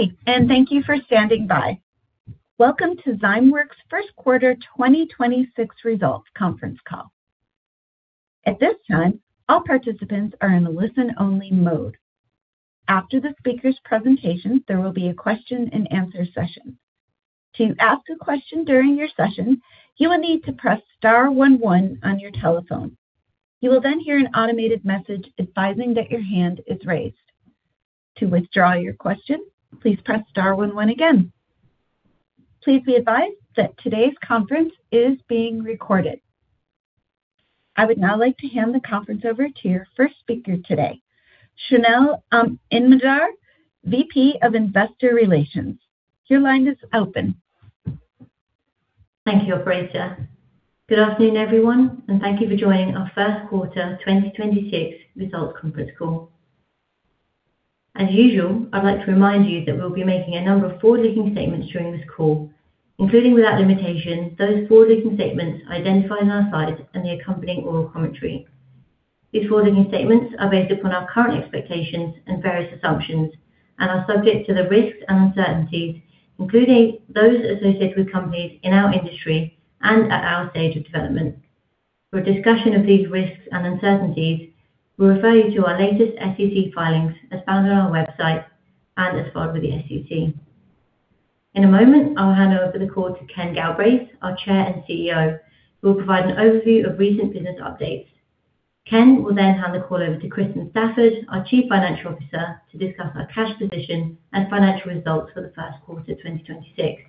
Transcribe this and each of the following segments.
Good day, thank you for standing by. Welcome to Zymeworks' First Quarter 2026 Results Conference Call. At this time, all participants are in listen-only mode. After the speakers' presentation, there will be a question-and-answer session. To ask a question during your session, you will need to press star one one on your telephone. You will hear an automated message advising that your hand is raised. To withdraw your question, please press star one one again. Please be advised that today's conference is being recorded. I would now like to hand the conference over to your first speaker today, Shrinal Inamdar, VP of Investor Relations. Thank you, operator. Good afternoon, everyone. Thank you for joining our first quarter 2026 results conference call. As usual, I'd like to remind you that we'll be making a number of forward-looking statements during this call, including, without limitation, those forward-looking statements identified in our slides and the accompanying oral commentary. These forward-looking statements are based upon our current expectations and various assumptions and are subject to the risks and uncertainties, including those associated with companies in our industry and at our stage of development. For a discussion of these risks and uncertainties, we refer you to our latest SEC filings as found on our website and as filed with the SEC. In a moment, I'll hand over the call to Ken Galbraith, our Chair and CEO, who will provide an overview of recent business updates. Ken will then hand the call over to Kristin Stafford, our Chief Financial Officer, to discuss our cash position and financial results for the first quarter 2026.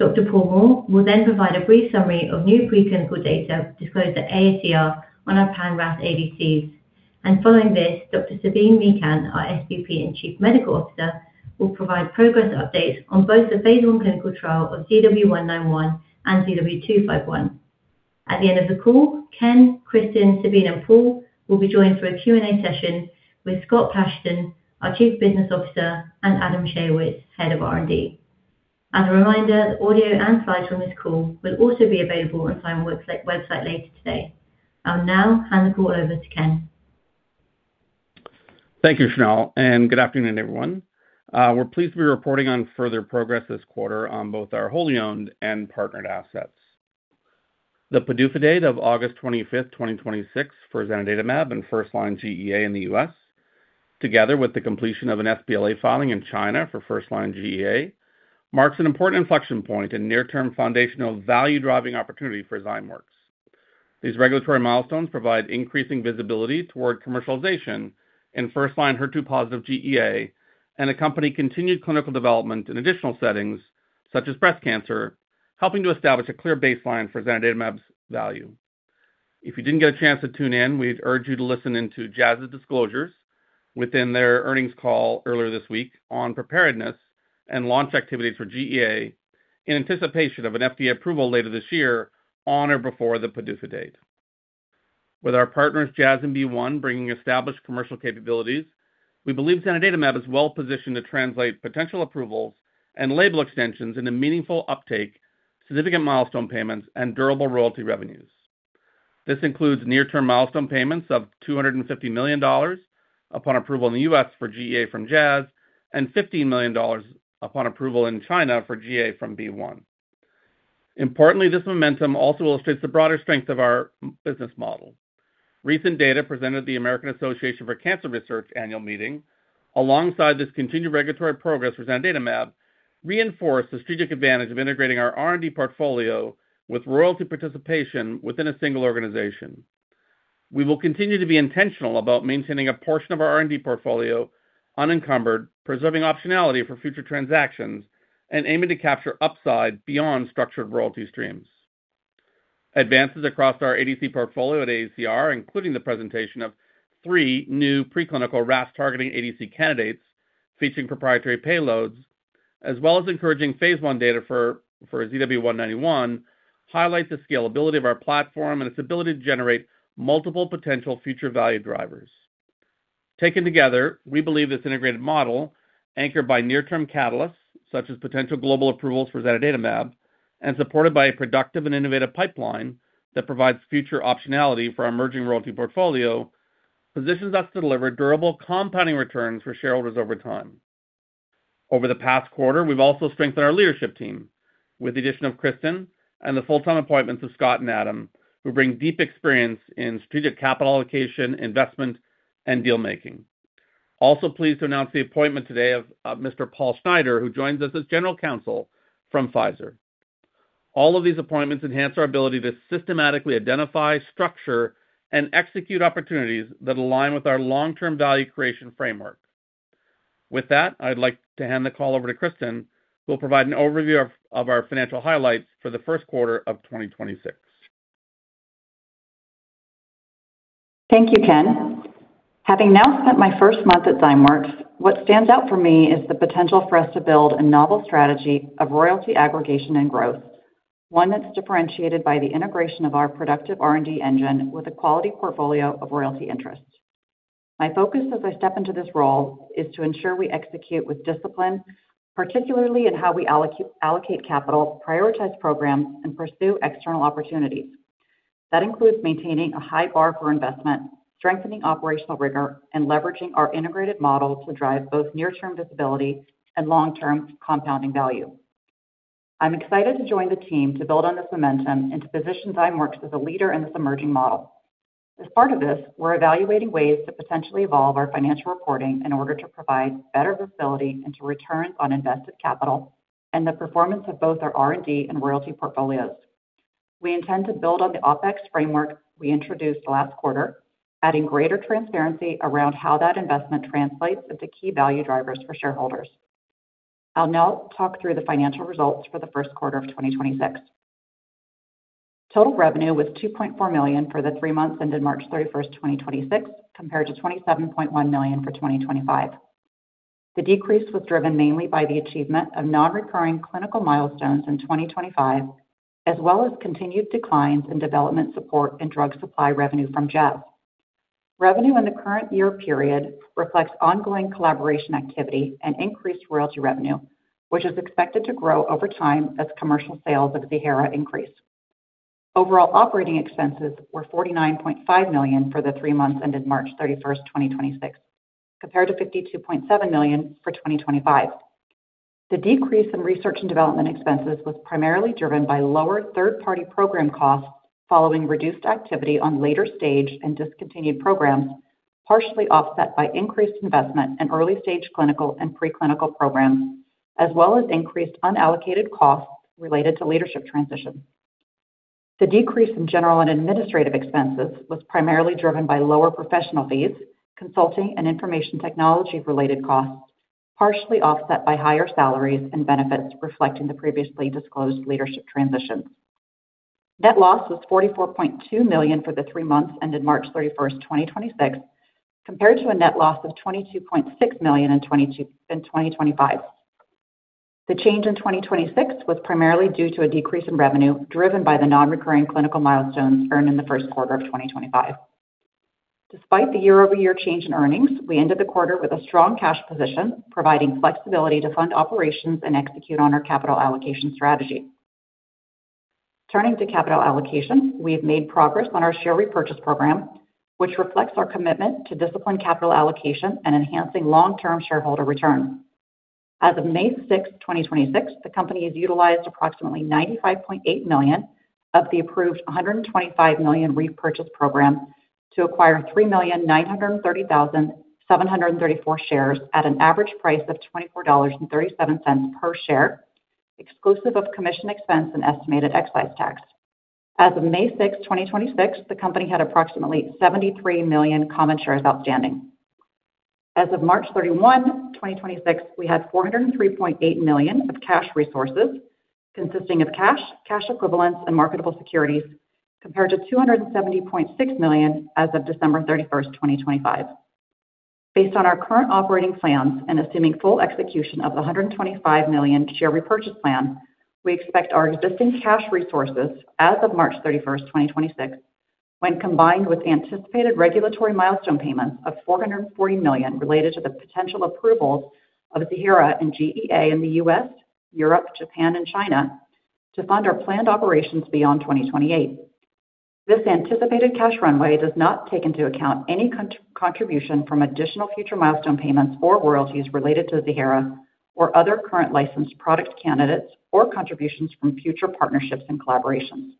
Dr. Paul Moore will then provide a brief summary of new preclinical data disclosed at AACR on our pan-RAS ADCs. Following this, Dr. Sabeen Mekan, our SVP and Chief Medical Officer, will provide progress updates on both the phase I clinical trial of ZW191 and ZW251. At the end of the call, Ken, Kristin, Sabeen, and Paul will be joined for a Q&A session with Scott Platshon, our Chief Business Officer, and Adam Schayowitz, Head of R&D. As a reminder, the audio and slides from this call will also be available on Zymeworks' website later today. I'll now hand the call over to Ken. Thank you, Shrinal, and good afternoon, everyone. We're pleased to be reporting on further progress this quarter on both our wholly-owned and partnered assets. The PDUFA date of August 25th, 2026 for zanidatamab in first-line GEA in the U.S., together with the completion of an sBLA filing in China for first-line GEA, marks an important inflection point and near-term foundational value-driving opportunity for Zymeworks. These regulatory milestones provide increasing visibility toward commercialization in first-line HER2-positive GEA and accompany continued clinical development in additional settings such as breast cancer, helping to establish a clear baseline for zanidatamab's value. If you didn't get a chance to tune in, we'd urge you to listen in to Jazz's disclosures within their earnings call earlier this week on preparedness and launch activities for GEA in anticipation of an FDA approval later this year on or before the PDUFA date. With our partners Jazz and BeOne bringing established commercial capabilities, we believe zanidatamab is well-positioned to translate potential approvals and label extensions into meaningful uptake, significant milestone payments, and durable royalty revenues. This includes near-term milestone payments of $250 million upon approval in the U.S. for GEA from Jazz and $50 million upon approval in China for GEA from BeOne. Importantly, this momentum also illustrates the broader strength of our business model. Recent data presented at the American Association for Cancer Research annual meeting, alongside this continued regulatory progress for zanidatamab, reinforce the strategic advantage of integrating our R&D portfolio with royalty participation within a single organization. We will continue to be intentional about maintaining a portion of our R&D portfolio unencumbered, preserving optionality for future transactions and aiming to capture upside beyond structured royalty streams. Advances across our ADC portfolio at AACR, including the presentation of three new preclinical RAS-targeting ADC candidates featuring proprietary payloads, as well as encouraging phase I data for ZW191, highlight the scalability of our platform and its ability to generate multiple potential future value drivers. Taken together, we believe this integrated model, anchored by near-term catalysts such as potential global approvals for zanidatamab and supported by a productive and innovative pipeline that provides future optionality for our emerging royalty portfolio, positions us to deliver durable compounding returns for shareholders over time. Over the past quarter, we've also strengthened our leadership team with the addition of Kristin and the full-time appointments of Scott and Adam, who bring deep experience in strategic capital allocation, investment, and deal making. Also pleased to announce the appointment today of Mr. Paul Schneider, who joins us as General Counsel from Pfizer. All of these appointments enhance our ability to systematically identify, structure, and execute opportunities that align with our long-term value creation framework. With that, I'd like to hand the call over to Kristin, who will provide an overview of our financial highlights for the first quarter of 2026. Thank you, Ken. Having now spent my first month at Zymeworks, what stands out for me is the potential for us to build a novel strategy of royalty aggregation and growth, one that's differentiated by the integration of our productive R&D engine with a quality portfolio of royalty interests. My focus as I step into this role is to ensure we execute with discipline, particularly in how we allocate capital, prioritize programs, and pursue external opportunities. That includes maintaining a high bar for investment, strengthening operational rigor, and leveraging our integrated model to drive both near-term visibility and long-term compounding value. I'm excited to join the team to build on this momentum and to position Zymeworks as a leader in this emerging model. As part of this, we're evaluating ways to potentially evolve our financial reporting in order to provide better visibility into returns on invested capital and the performance of both our R&D and royalty portfolios. We intend to build on the OpEx framework we introduced last quarter, adding greater transparency around how that investment translates into key value drivers for shareholders. I'll now talk through the financial results for the first quarter of 2026. Total revenue was $2.4 million for the three months ended March 31st, 2026, compared to $27.1 million for 2025. The decrease was driven mainly by the achievement of non-recurring clinical milestones in 2025, as well as continued declines in development support and drug supply revenue from GEV. Revenue in the current year period reflects ongoing collaboration activity and increased royalty revenue, which is expected to grow over time as commercial sales of the Ziihera increase. Overall operating expenses were $49.5 million for the three months ended March 31st, 2026, compared to $52.7 million for 2025. The decrease in research and development expenses was primarily driven by lower third-party program costs following reduced activity on later-stage and discontinued programs, partially offset by increased investment in early-stage clinical and preclinical programs, as well as increased unallocated costs related to leadership transition. The decrease in general and administrative expenses was primarily driven by lower professional fees, consulting, and information technology-related costs, partially offset by higher salaries and benefits reflecting the previously disclosed leadership transitions. Net loss was $44.2 million for the three months ended March 31st, 2026, compared to a net loss of $22.6 million in 2025. The change in 2026 was primarily due to a decrease in revenue, driven by the non-recurring clinical milestones earned in the first quarter of 2025. Despite the year-over-year change in earnings, we ended the quarter with a strong cash position, providing flexibility to fund operations and execute on our capital allocation strategy. Turning to capital allocation, we have made progress on our share repurchase program, which reflects our commitment to disciplined capital allocation and enhancing long-term shareholder return. As of May 6, 2026, the company has utilized approximately $95.8 million of the approved $125 million repurchase program to acquire 3,930,734 shares at an average price of $24.37 per share, exclusive of commission expense and estimated excise tax. As of May 6, 2026, the company had approximately 73 million common shares outstanding. As of March 31, 2026, we had $403.8 million of cash resources, consisting of cash equivalents, and marketable securities, compared to $270.6 million as of December 31st, 2025. Based on our current operating plans and assuming full execution of the $125 million share repurchase plan, we expect our existing cash resources as of March 31st, 2026, when combined with anticipated regulatory milestone payments of $440 million related to the potential approvals of Ziihera and GEA in the U.S., Europe, Japan, and China to fund our planned operations beyond 2028. This anticipated cash runway does not take into account any contribution from additional future milestone payments or royalties related to Ziihera or other current licensed product candidates or contributions from future partnerships and collaborations.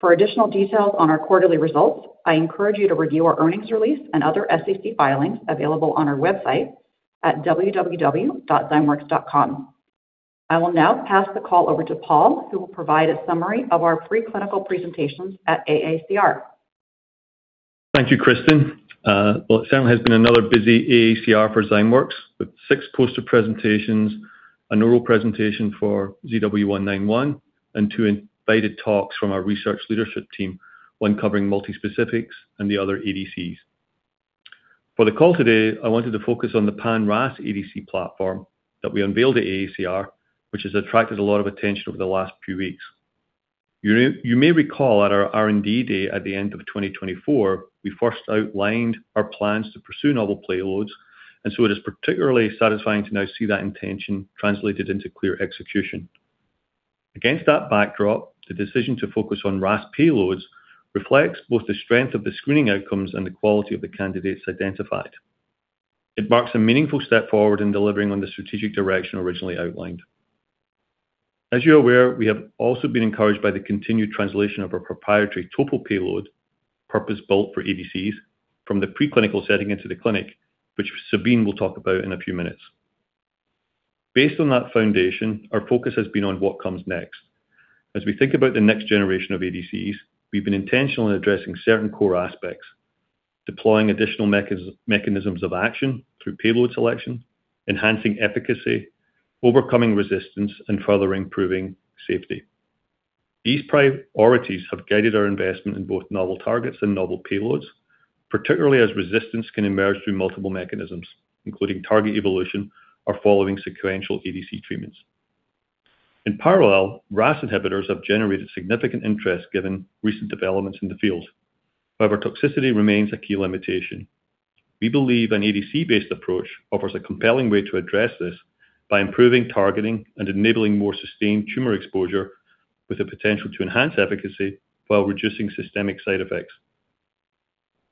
For additional details on our quarterly results, I encourage you to review our earnings release and other SEC filings available on our website at www.zymeworks.com. I will now pass the call over to Paul, who will provide a summary of our preclinical presentations at AACR. Thank you, Kristin. Well, it certainly has been another busy AACR for Zymeworks, with six poster presentations, an oral presentation for ZW191, and two invited talks from our research leadership team, one covering multispecifics and the other ADCs. For the call today, I wanted to focus on the pan-RAS ADC platform that we unveiled at AACR, which has attracted a lot of attention over the last few weeks. You may recall at our R&D day at the end of 2024, we first outlined our plans to pursue novel payloads, it is particularly satisfying to now see that intention translated into clear execution. Against that backdrop, the decision to focus on RAS payloads reflects both the strength of the screening outcomes and the quality of the candidates identified. It marks a meaningful step forward in delivering on the strategic direction originally outlined. As you're aware, we have also been encouraged by the continued translation of our proprietary TOPO1i payload, purpose-built for ADCs from the preclinical setting into the clinic, which Sabeen will talk about in a few minutes. Based on that foundation, our focus has been on what comes next. As we think about the next generation of ADCs, we've been intentionally addressing certain core aspects, deploying additional mechanisms of action through payload selection, enhancing efficacy, overcoming resistance, and further improving safety. These priorities have guided our investment in both novel targets and novel payloads, particularly as resistance can emerge through multiple mechanisms, including target evolution or following sequential ADC treatments. In parallel, RAS inhibitors have generated significant interest given recent developments in the field. Toxicity remains a key limitation. We believe an ADC-based approach offers a compelling way to address this by improving targeting and enabling more sustained tumor exposure with the potential to enhance efficacy while reducing systemic side effects.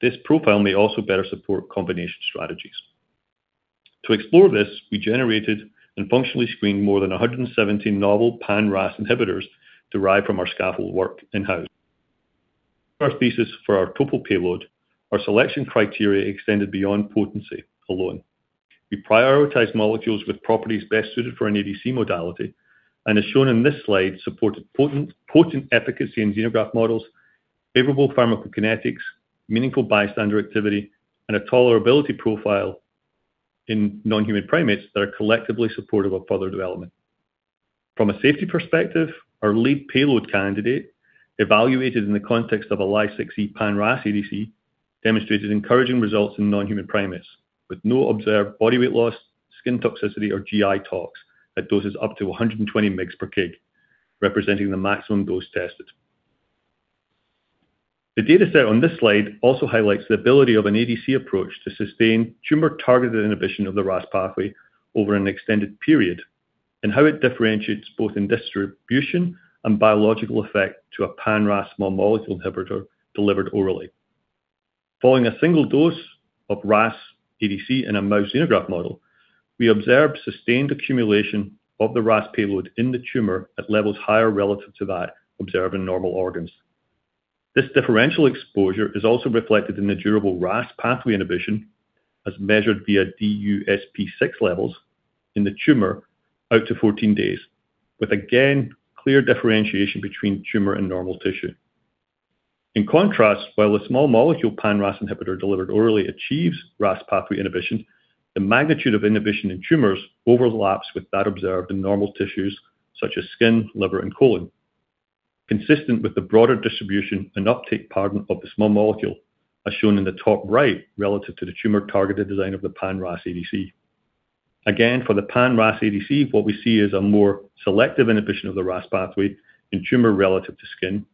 This profile may also better support combination strategies. To explore this, we generated and functionally screened more than 117 novel pan-RAS inhibitors derived from our scaffold work in-house. Our thesis for our total payload, our selection criteria extended beyond potency alone. We prioritized molecules with properties best suited for an ADC modality, as shown in this slide, supported potent efficacy in xenograft models, favorable pharmacokinetics, meaningful bystander activity, and a tolerability profile in non-human primates that are collectively supportive of further development. From a safety perspective, our lead payload candidate, evaluated in the context of a Ly6E pan-RAS ADC, demonstrated encouraging results in non-human primates, with no observed body weight loss, skin toxicity, or GI tox at doses up to 120 mgs/kg, representing the maximum dose tested. The data set on this slide also highlights the ability of an ADC approach to sustain tumor-targeted inhibition of the RAS pathway over an extended period, and how it differentiates both in distribution and biological effect to a pan-RAS small molecule inhibitor delivered orally. Following a single dose of RAS ADC in a mouse xenograft model, we observed sustained accumulation of the RAS payload in the tumor at levels higher relative to that observed in normal organs. This differential exposure is also reflected in the durable RAS pathway inhibition as measured via DUSP6 levels in the tumor out to 14 days, with again, clear differentiation between tumor and normal tissue. In contrast, while a small molecule pan-RAS inhibitor delivered orally achieves RAS pathway inhibition, the magnitude of inhibition in tumors overlaps with that observed in normal tissues such as skin, liver, and colon. Consistent with the broader distribution and uptake pattern of the small molecule, as shown in the top right relative to the tumor-targeted design of the pan-RAS ADC. Again, for the pan-RAS ADC, what we see is a more selective inhibition of the RAS pathway in tumor relative to skin,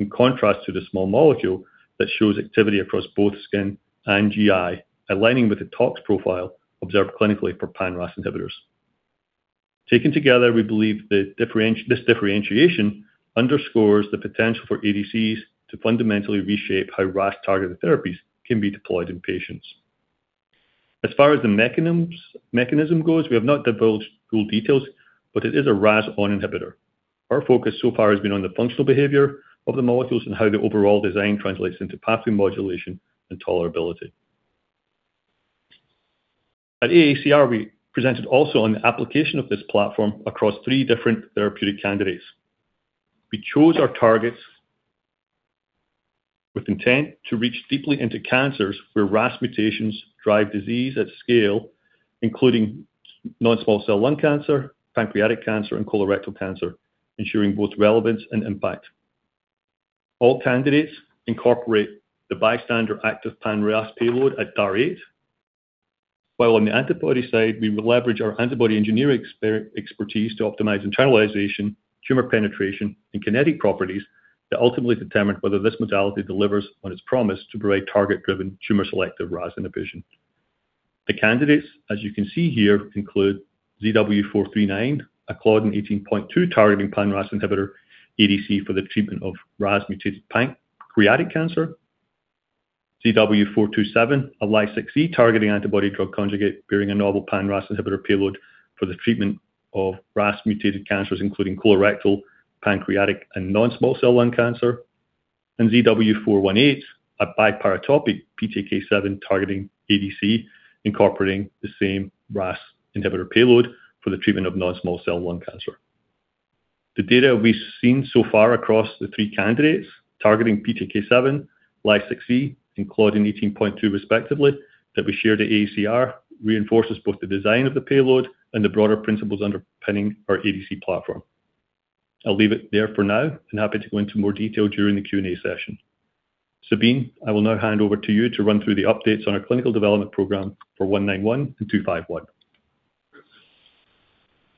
in contrast to the small molecule that shows activity across both skin and GI, aligning with the tox profile observed clinically for pan-RAS inhibitors. Taken together, we believe that this differentiation underscores the potential for ADCs to fundamentally reshape how RAS-targeted therapies can be deployed in patients. As far as the mechanism goes, we have not divulged full details, but it is a RAS(ON) inhibitor. Our focus so far has been on the functional behavior of the molecules and how the overall design translates into pathway modulation and tolerability. At AACR, we presented also on the application of this platform across three different therapeutic candidates. We chose our targets with intent to reach deeply into cancers where RAS mutations drive disease at scale, including non-small cell lung cancer, pancreatic cancer, and colorectal cancer, ensuring both relevance and impact. All candidates incorporate the bystander active pan-RAS payload at DAR 8. While on the antibody side, we will leverage our antibody engineering expertise to optimize internalization, tumor penetration, and kinetic properties that ultimately determine whether this modality delivers on its promise to provide target-driven tumor-selective RAS inhibition. The candidates, as you can see here, include ZW439, a Claudin 18.2 targeting pan-RAS inhibitor ADC for the treatment of RAS-mutated pancreatic cancer. ZW427, a Ly6E targeting antibody drug conjugate bearing a novel pan-RAS inhibitor payload for the treatment of RAS-mutated cancers including colorectal, pancreatic, and non-small cell lung cancer. ZW418, a biparatopic PTK7 targeting ADC incorporating the same RAS inhibitor payload for the treatment of non-small cell lung cancer. The data we've seen so far across the three candidates targeting PTK7, Ly6E, and Claudin 18.2 respectively that we share at the AACR reinforces both the design of the payload and the broader principles underpinning our ADC platform. I'll leave it there for now and happy to go into more detail during the Q&A session. Sabeen, I will now hand over to you to run through the updates on our clinical development program for ZW191 and ZW251.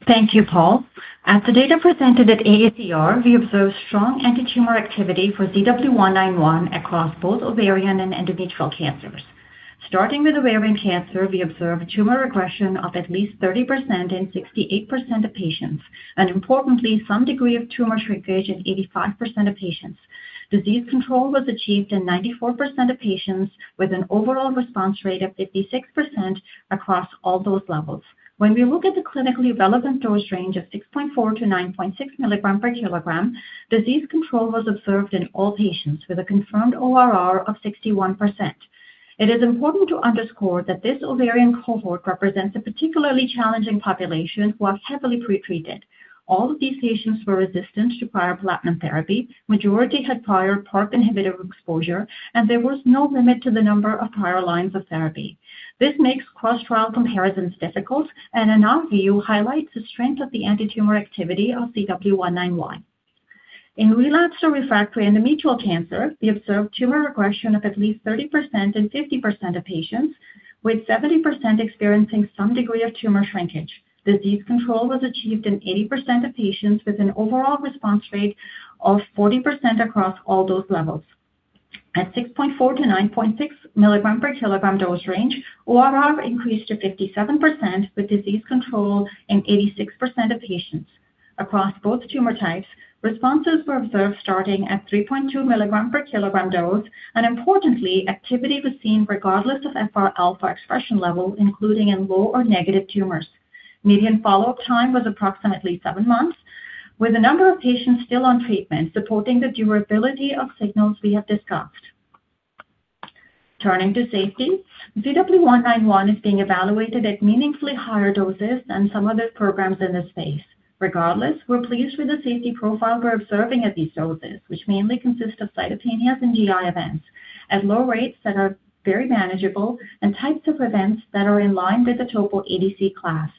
Thank you, Paul. At the data presented at AACR, we observed strong antitumor activity for ZW191 across both ovarian and endometrial cancers. Starting with ovarian cancer, we observed tumor regression of at least 30% in 68% of patients, and importantly, some degree of tumor shrinkage in 85% of patients. Disease control was achieved in 94% of patients with an overall response rate of 56% across all those levels. When we look at the clinically relevant dose range of 6.4-9.6 mg/kg, disease control was observed in all patients with a confirmed ORR of 61%. It is important to underscore that this ovarian cohort represents a particularly challenging population who was heavily pretreated. All of these patients were resistant to prior platinum therapy. Majority had prior PARP inhibitor exposure. There was no limit to the number of prior lines of therapy. This makes cross-trial comparisons difficult and in our view, highlights the strength of the antitumor activity of ZW191. In relapsed or refractory endometrial cancer, we observed tumor regression of at least 30% in 50% of patients, with 70% experiencing some degree of tumor shrinkage. Disease control was achieved in 80% of patients with an overall response rate of 40% across all those levels. At 6.4-9.6 mg/kg dose range, ORR increased to 57% with disease control in 86% of patients. Across both tumor types, responses were observed starting at 3.2 mg/kg dose. Importantly, activity was seen regardless of FRα expression level, including in low or negative tumors. Median follow-up time was approximately seven months, with a number of patients still on treatment supporting the durability of signals we have discussed. Turning to safety, ZW191 is being evaluated at meaningfully higher doses than some other programs in this space. Regardless, we're pleased with the safety profile we're observing at these doses, which mainly consist of cytopenias and GI events, at low rates that are very manageable and types of events that are in line with the TOPO1i ADC class.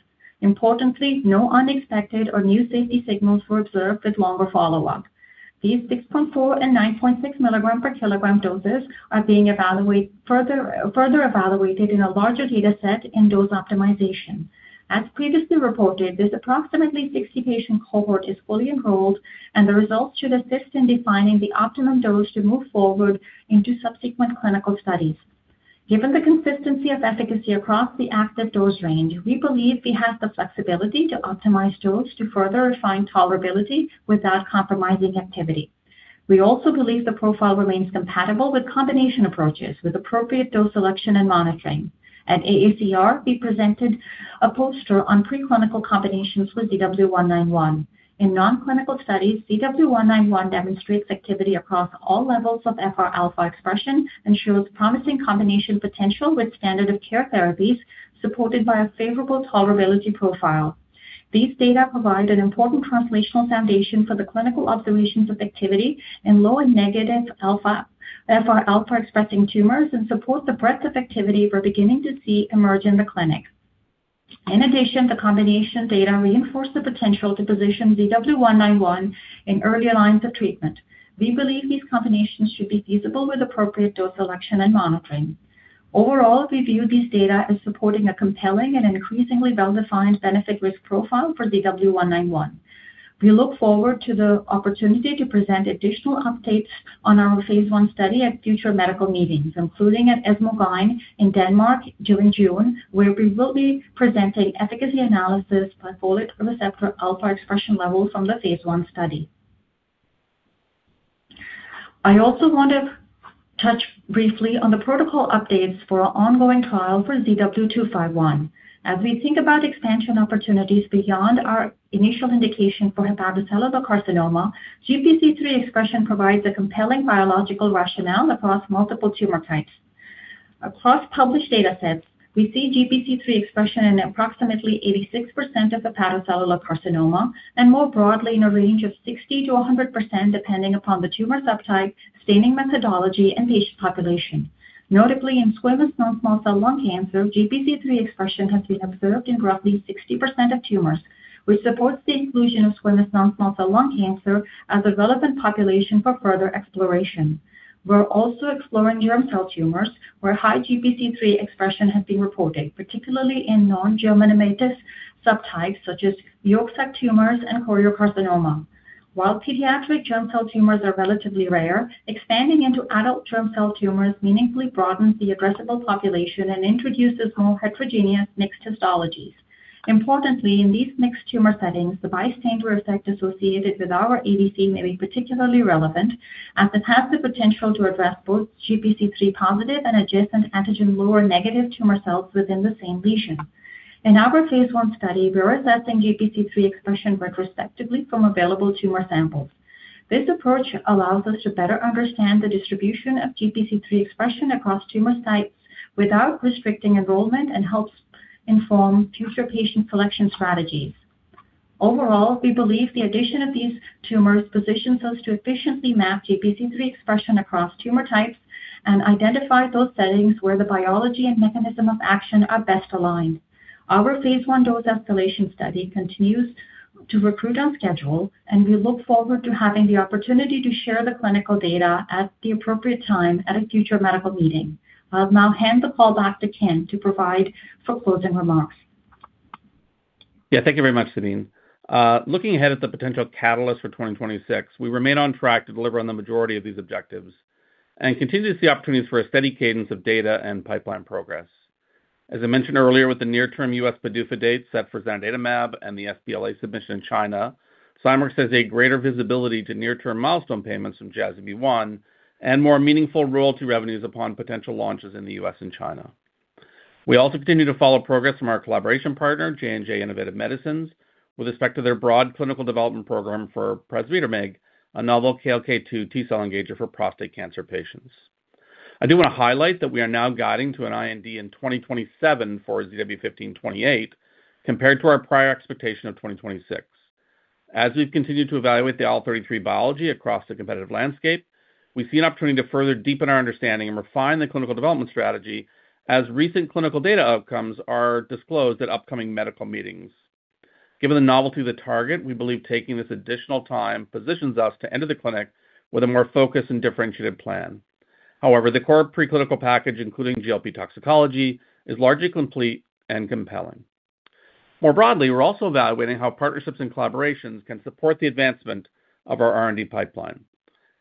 Importantly, no unexpected or new safety signals were observed with longer follow-up. These 6.4 and 9.6 mg/kg doses are being further evaluated in a larger data set in dose optimization. As previously reported, this approximately 60-patient cohort is fully enrolled, and the results should assist in defining the optimum dose to move forward into subsequent clinical studies. Given the consistency of efficacy across the active dose range, we believe we have the flexibility to optimize dose to further refine tolerability without compromising activity. We also believe the profile remains compatible with combination approaches with appropriate dose selection and monitoring. At AACR, we presented a poster on preclinical combinations with ZW191. In non-clinical studies, ZW191 demonstrates activity across all levels of FRα expression and shows promising combination potential with standard of care therapies supported by a favorable tolerability profile. These data provide an important translational foundation for the clinical observations of activity in low and negative FRα-expressing tumors and support the breadth of activity we're beginning to see emerge in the clinic. In addition, the combination data reinforce the potential to position ZW191 in earlier lines of treatment. We believe these combinations should be feasible with appropriate dose selection and monitoring. Overall, we view these data as supporting a compelling and increasingly well-defined benefit risk profile for ZW191. We look forward to the opportunity to present additional updates on our phase I study at future medical meetings, including at ESMO Gynae in Denmark during June, where we will be presenting efficacy analysis by folate receptor alpha expression levels from the phase I study. I also want to touch briefly on the protocol updates for our ongoing trial for ZW251. As we think about expansion opportunities beyond our initial indication for hepatocellular carcinoma, GPC3 expression provides a compelling biological rationale across multiple tumor types. Across published data sets, we see GPC3 expression in approximately 86% of hepatocellular carcinoma, and more broadly in a range of 60%-100%, depending upon the tumor subtype, staining methodology, and patient population. Notably, in squamous non-small cell lung cancer, GPC3 expression has been observed in roughly 60% of tumors, which supports the inclusion of squamous non-small cell lung cancer as a relevant population for further exploration. We're also exploring germ cell tumors, where high GPC3 expression has been reported, particularly in non-germinative subtypes such as yolk sac tumors and choriocarcinoma. While pediatric germ cell tumors are relatively rare, expanding into adult germ cell tumors meaningfully broadens the addressable population and introduces more heterogeneous mixed histologies. Importantly, in these mixed tumor settings, the bystander effect associated with our ADC may be particularly relevant as it has the potential to address both GPC3 positive and adjacent antigen-lower negative tumor cells within the same lesion. In our phase I study, we're assessing GPC3 expression retrospectively from available tumor samples. This approach allows us to better understand the distribution of GPC3 expression across tumor sites without restricting enrollment and helps inform future patient selection strategies. Overall, we believe the addition of these tumors positions us to efficiently map GPC3 expression across tumor types and identify those settings where the biology and mechanism of action are best aligned. Our phase I dose-escalation study continues to recruit on schedule, and we look forward to having the opportunity to share the clinical data at the appropriate time at a future medical meeting. I'll now hand the call back to Ken to provide for closing remarks. Thank you very much, Sabeen. Looking ahead at the potential catalyst for 2026, we remain on track to deliver on the majority of these objectives and continue to see opportunities for a steady cadence of data and pipeline progress. As I mentioned earlier, with the near-term U.S. PDUFA date set for zanidatamab and the sBLA submission in China, Zymeworks has a greater visibility to near-term milestone payments from Jazz and BeOne and more meaningful royalty revenues upon potential launches in the U.S. and China. We also continue to follow progress from our collaboration partner, J&J Innovative Medicine, with respect to their broad clinical development program for pasritamig, a novel KLK2 T-cell engager for prostate cancer patients. I do wanna highlight that we are now guiding to an IND in 2027 for ZW1528 compared to our prior expectation of 2026. As we've continued to evaluate the IL-33 biology across the competitive landscape, we see an opportunity to further deepen our understanding and refine the clinical development strategy as recent clinical data outcomes are disclosed at upcoming medical meetings. Given the novelty of the target, we believe taking this additional time positions us to enter the clinic with a more focused and differentiated plan. However, the core preclinical package, including GLP toxicology, is largely complete and compelling. More broadly, we're also evaluating how partnerships and collaborations can support the advancement of our R&D pipeline.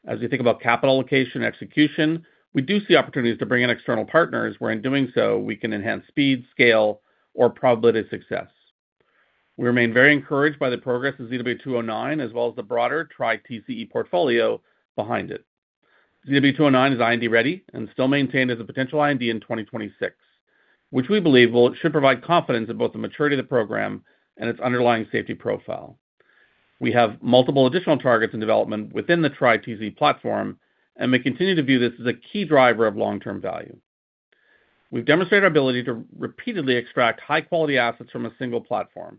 As we think about capital allocation execution, we do see opportunities to bring in external partners, where in doing so, we can enhance speed, scale, or probability of success. We remain very encouraged by the progress of ZW209, as well as the broader TriTCE portfolio behind it. ZW209 is IND ready and still maintained as a potential IND in 2026, which we believe should provide confidence in both the maturity of the program and its underlying safety profile. We have multiple additional targets in development within the TriTCE platform, we continue to view this as a key driver of long-term value. We've demonstrated our ability to repeatedly extract high-quality assets from a single platform.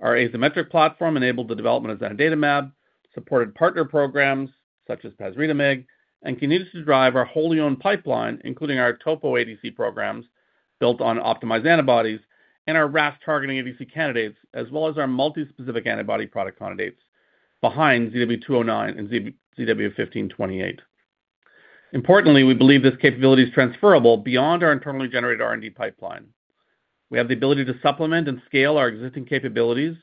Our Azymetric platform enabled the development of zanidatamab, supported partner programs such as pasritamig, continues to drive our wholly-owned pipeline, including our TOPO1i ADC programs built on optimized antibodies and our RAS-targeting ADC candidates, as well as our multi-specific antibody product candidates behind ZW209 and ZW1528. Importantly, we believe this capability is transferable beyond our internally generated R&D pipeline. We have the ability to supplement and scale our existing capabilities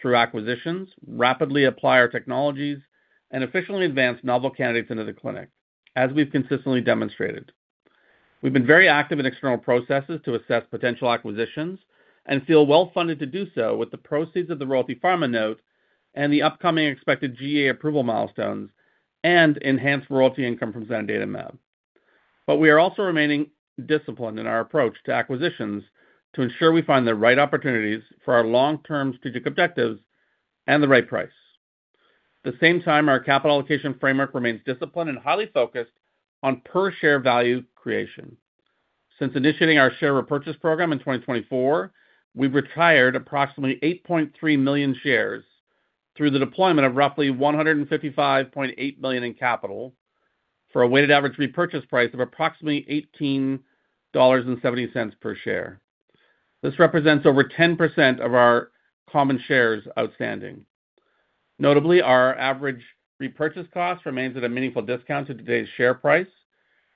through acquisitions, rapidly apply our technologies, and efficiently advance novel candidates into the clinic, as we've consistently demonstrated. We've been very active in external processes to assess potential acquisitions and feel well-funded to do so with the proceeds of the Royalty Pharma note and the upcoming expected GEA approval milestones and enhanced royalty income from zanidatamab. We are also remaining disciplined in our approach to acquisitions to ensure we find the right opportunities for our long-term strategic objectives and the right price. At the same time, our capital allocation framework remains disciplined and highly focused on per-share value creation. Since initiating our share repurchase program in 2024, we've retired approximately 8.3 million shares through the deployment of roughly $155.8 million in capital for a weighted average repurchase price of approximately $18.70 per share. This represents over 10% of our common shares outstanding. Notably, our average repurchase cost remains at a meaningful discount to today's share price,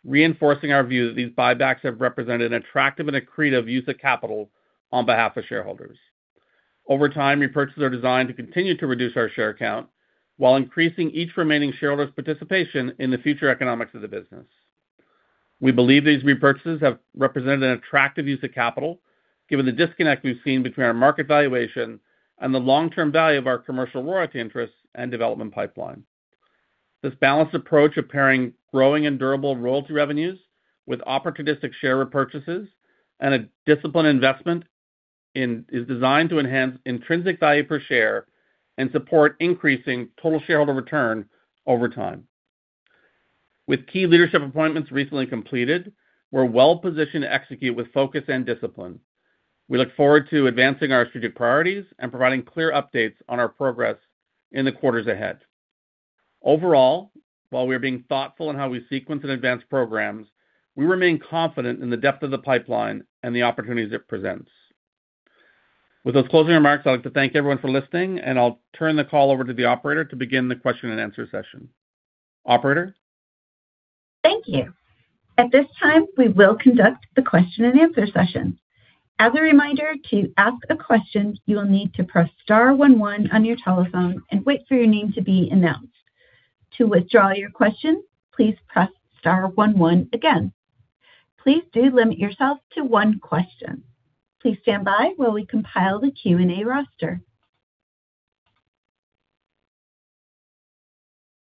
reinforcing our view that these buybacks have represented an attractive and accretive use of capital on behalf of shareholders. Over time, repurchases are designed to continue to reduce our share count while increasing each remaining shareholder's participation in the future economics of the business. We believe these repurchases have represented an attractive use of capital, given the disconnect we've seen between our market valuation and the long-term value of our commercial royalty interests and development pipeline. This balanced approach of pairing growing and durable royalty revenues with opportunistic share repurchases and a disciplined investment is designed to enhance intrinsic value per share and support increasing total shareholder return over time. With key leadership appointments recently completed, we're well-positioned to execute with focus and discipline. We look forward to advancing our strategic priorities and providing clear updates on our progress in the quarters ahead. Overall, while we are being thoughtful in how we sequence and advance programs, we remain confident in the depth of the pipeline and the opportunities it presents. With those closing remarks, I'd like to thank everyone for listening, and I'll turn the call over to the operator to begin the question and answer session. Operator? Thank you. At this time, we will conduct the question and answer session. As a reminder, to ask a question, you will need to press star one one on your telephone and wait for your name to be announced. To withdraw your question, please press star one one again. Please do limit yourself to one question. Please stand by while we compile the Q&A roster.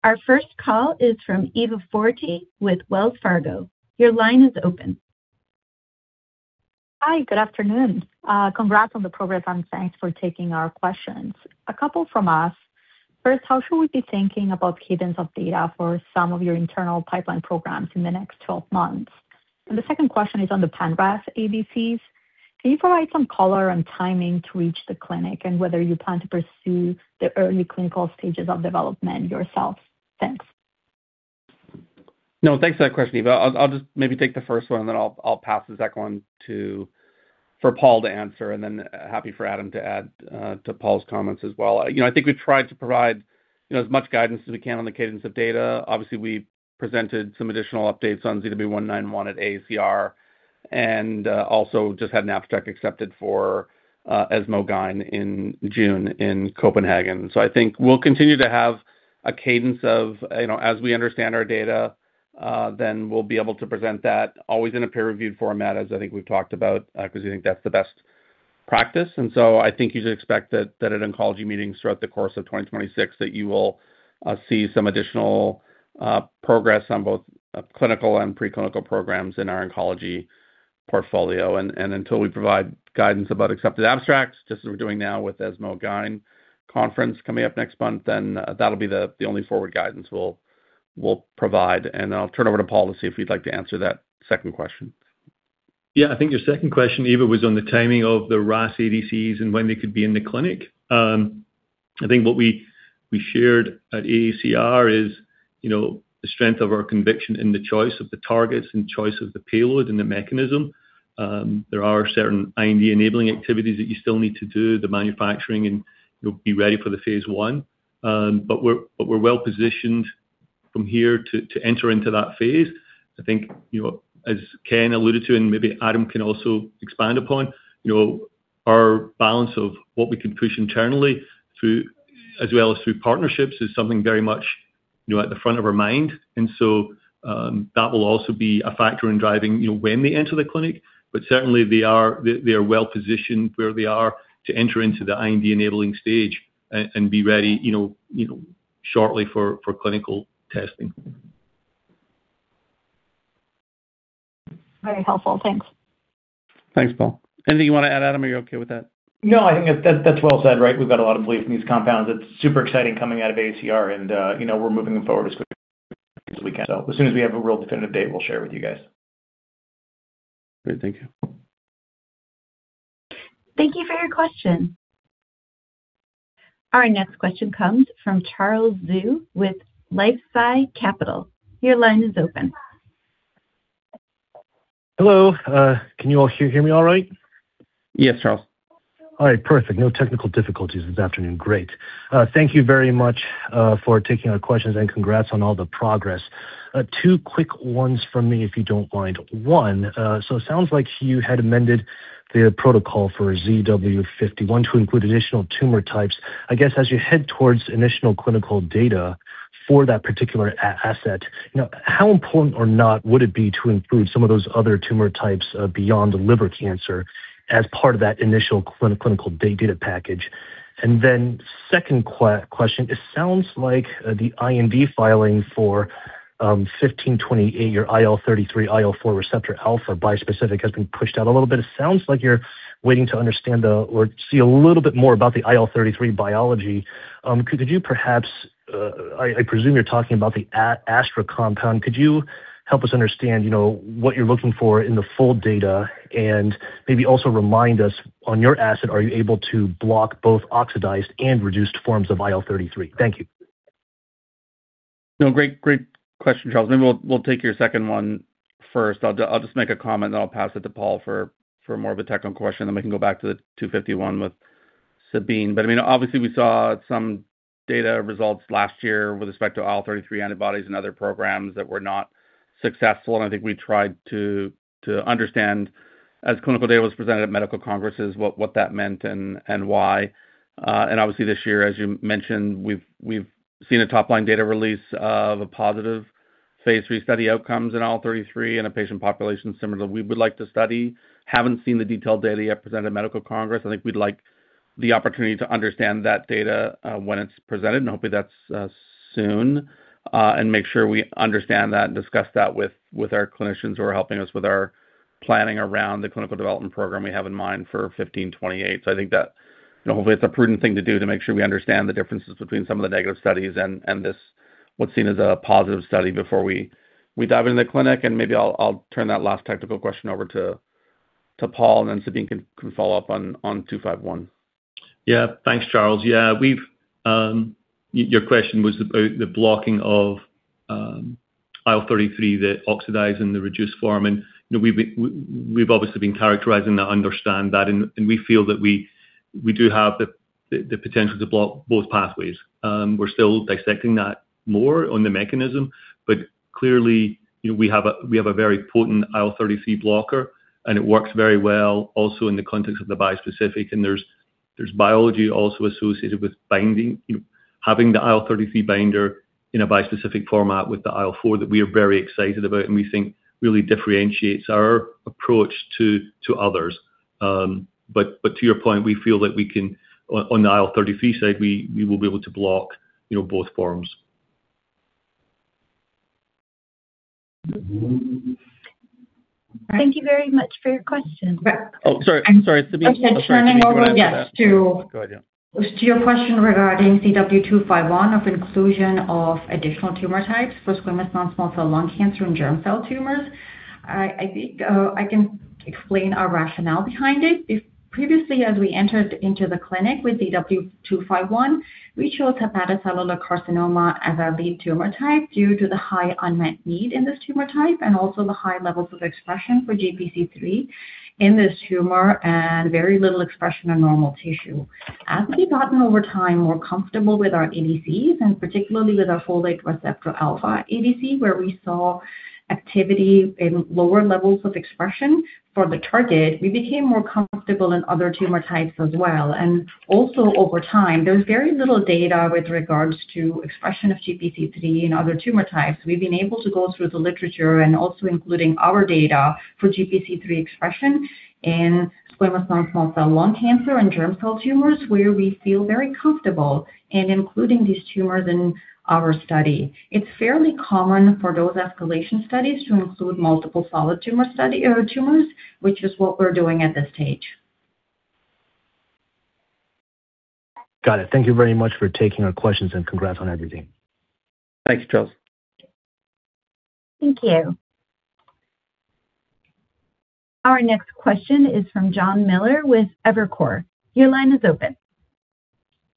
Our first call is from Eva Fortea with Wells Fargo. Your line is open. Hi, good afternoon. Congrats on the progress and thanks for taking our questions. A couple from us. First, how should we be thinking about cadence of data for some of your internal pipeline programs in the next 12 months? The second question is on the pan-RAS ADCs. Can you provide some color on timing to reach the clinic and whether you plan to pursue the early clinical stages of development yourselves? Thanks. No, thanks for that question, Eva. I'll just maybe take the first one, and then I'll pass the second one for Paul to answer, and then happy for Adam to add to Paul's comments as well. You know, I think we've tried to provide, you know, as much guidance as we can on the cadence of data. Obviously, we presented some additional updates on ZW191 at AACR and also just had an abstract accepted for ESMO Gynae in June in Copenhagen. I think we'll continue to have a cadence of, you know, as we understand our data, then we'll be able to present that always in a peer-reviewed format, as I think we've talked about, 'cause we think that's the best practice. I think you should expect that at oncology meetings throughout the course of 2026 that you will see some additional progress on both clinical and pre-clinical programs in our oncology portfolio. Until we provide guidance about accepted abstracts, just as we're doing now with ESMO Gynae conference coming up next month, then that'll be the only forward guidance we'll provide. I'll turn over to Paul to see if you'd like to answer that second question. Yeah. I think your second question, Eva, was on the timing of the RAS ADCs and when they could be in the clinic. I think what we shared at AACR is, you know, the strength of our conviction in the choice of the targets and choice of the payload and the mechanism. There are certain IND-enabling activities that you still need to do, the manufacturing, and you'll be ready for the phase I. But we're well-positioned from here to enter into that phase. I think, you know, as Ken alluded to, and maybe Adam can also expand upon, you know, our balance of what we can push internally through as well as through partnerships is something very much, you know, at the front of our mind. That will also be a factor in driving, you know, when they enter the clinic. Certainly they are well-positioned where they are to enter into the IND-enabling stage and be ready, you know, shortly for clinical testing. Very helpful. Thanks. Thanks, Paul. Anything you want to add, Adam, or are you okay with that? No, I think that's well said, right? We've got a lot of belief in these compounds. It's super exciting coming out of AACR and, you know, we're moving them forward as quickly as we can. As soon as we have a real definitive date, we'll share with you guys. Great. Thank you. Thank you for your question. Our next question comes from Charles Zhu with LifeSci Capital. Your line is open. Hello. Can you all hear me all right? Yes, Charles. All right, perfect. No technical difficulties this afternoon. Great. Thank you very much for taking our questions, and congrats on all the progress. two quick ones from me, if you don't mind. One, it sounds like you had amended the protocol for ZW251 to include additional tumor types. I guess, as you head towards initial clinical data for that particular asset, you know, how important or not would it be to include some of those other tumor types beyond liver cancer as part of that initial clinical data package? Second question, it sounds like the IND filing for ZW1528, your IL-33, IL-4 receptor alpha bispecific, has been pushed out a little bit. It sounds like you're waiting to understand or see a little bit more about the IL-33 biology. Could you perhaps, I presume you're talking about the AstraZeneca compound. Could you help us understand, you know, what you're looking for in the full data? Maybe also remind us, on your asset, are you able to block both oxidized and reduced forms of IL-33? Thank you. Great, great question, Charles. Maybe we'll take your second one first. I'll just make a comment, and then I'll pass it to Paul for more of a technical question, then we can go back to the ZW251 with Sabeen. I mean, obviously we saw some data results last year with respect to IL-33 antibodies and other programs that were not successful, and I think we tried to understand, as clinical data was presented at medical congresses, what that meant and why. Obviously this year, as you mentioned, we've seen a top-line data release of a positive phase III study outcomes in IL-33 in a patient population similar to what we would like to study. Haven't seen the detailed data yet presented at medical congress. I think we'd like the opportunity to understand that data, when it's presented, and hopefully that's soon, and make sure we understand that and discuss that with our clinicians who are helping us with our planning around the clinical development program we have in mind for ZW1528. I think that, you know, hopefully it's a prudent thing to do to make sure we understand the differences between some of the negative studies and this, what's seen as a positive study before we dive into the clinic. Maybe I'll turn that last technical question over to Paul Moore, and then Sabeen can follow up on ZW251. Thanks, Charles. Your question was about the blocking of IL-33, the oxidized and the reduced form. you know, we've obviously been characterizing that, understand that, and we feel that we do have the potential to block both pathways. We're still dissecting that more on the mechanism, clearly, you know, we have a very potent IL-33 blocker, it works very well also in the context of the bispecific. There's biology also associated with binding, you know, having the IL-33 binder in a bispecific format with the IL-4 that we are very excited about and we think really differentiates our approach to others. But to your point, we feel that we can, on the IL-33 side, we will be able to block, you know, both forms. Thank you very much for your question. Oh, sorry. I'm sorry. Sabeen, do you want to add to that? Sure. Go ahead, yeah. To your question regarding ZW251 of inclusion of additional tumor types for squamous non-small cell lung cancer and germ cell tumors, I think I can explain our rationale behind it. If previously, as we entered into the clinic with ZW251, we chose hepatocellular carcinoma as our lead tumor type due to the high unmet need in this tumor type and also the high levels of expression for GPC3 in this tumor and very little expression in normal tissue. As we've gotten over time more comfortable with our ADCs, and particularly with our folate receptor alpha ADC, where we saw activity in lower levels of expression for the target, we became more comfortable in other tumor types as well. Also over time, there's very little data with regards to expression of GPC3 in other tumor types. We've been able to go through the literature and also including our data for GPC3 expression in squamous non-small cell lung cancer and germ cell tumors, where we feel very comfortable in including these tumors in our study. It's fairly common for those escalation studies to include multiple solid tumor study or tumors, which is what we're doing at this stage. Got it. Thank you very much for taking our questions. Congrats on everything. Thanks, Charles. Thank you. Our next question is from John Miller with Evercore.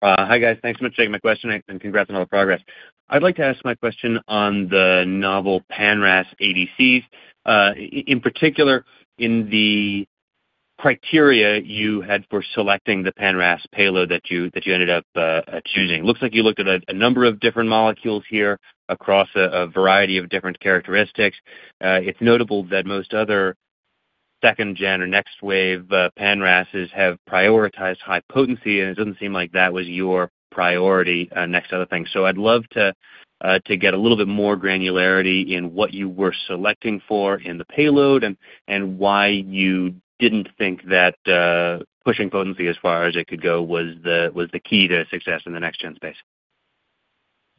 Hi, guys. Thanks so much for taking my question, and congrats on all the progress. I'd like to ask my question on the novel pan-RAS ADCs. In particular, in the criteria you had for selecting the pan-RAS payload that you ended up choosing. Looks like you looked at a number of different molecules here across a variety of different characteristics. It's notable that most other second-gen or next-wave pan-RASs have prioritized high potency, and it doesn't seem like that was your priority next other thing. I'd love to get a little bit more granularity in what you were selecting for in the payload and why you didn't think that pushing potency as far as it could go was the key to success in the next-gen space.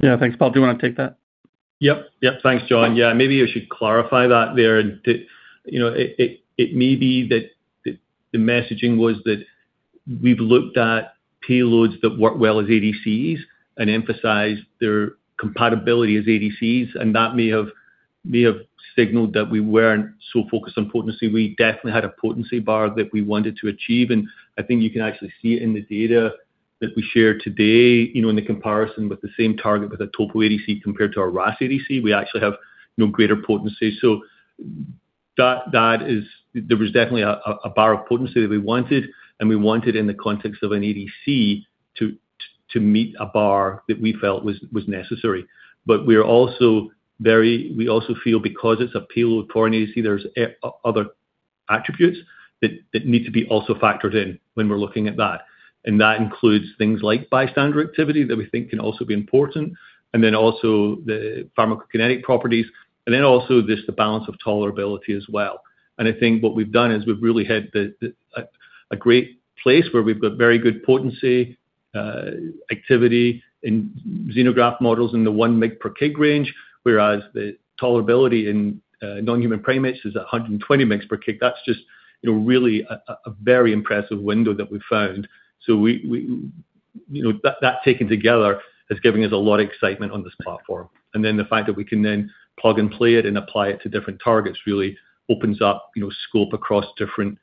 Thanks, Paul. Do you wanna take that? Yep. Yeah. Thanks, John. Maybe I should clarify that there. You know, it may be that the messaging was that we've looked at payloads that work well as ADCs and emphasize their compatibility as ADCs, and that may have signaled that we weren't so focused on potency. We definitely had a potency bar that we wanted to achieve, and I think you can actually see it in the data that we share today, you know, in the comparison with the same target with a TOPO1i ADC compared to our RAS ADC. We actually have, you know, greater potency. There was definitely a bar of potency that we wanted, and we wanted in the context of an ADC to meet a bar that we felt was necessary. We also feel because it's a payload potency, there's other attributes that need to be also factored in when we're looking at that. That includes things like bystander activity that we think can also be important, and then also the pharmacokinetic properties, and then also just the balance of tolerability as well. I think what we've done is we've really hit the A, a great place where we've got very good potency, activity in xenograft models in the 1 mg/kg range, whereas the tolerability in non-human primates is 120 mg/kg. That's just, you know, really a very impressive window that we've found. We You know, that taken together is giving us a lot of excitement on this platform. The fact that we can then plug and play it and apply it to different targets really opens up, you know, scope across different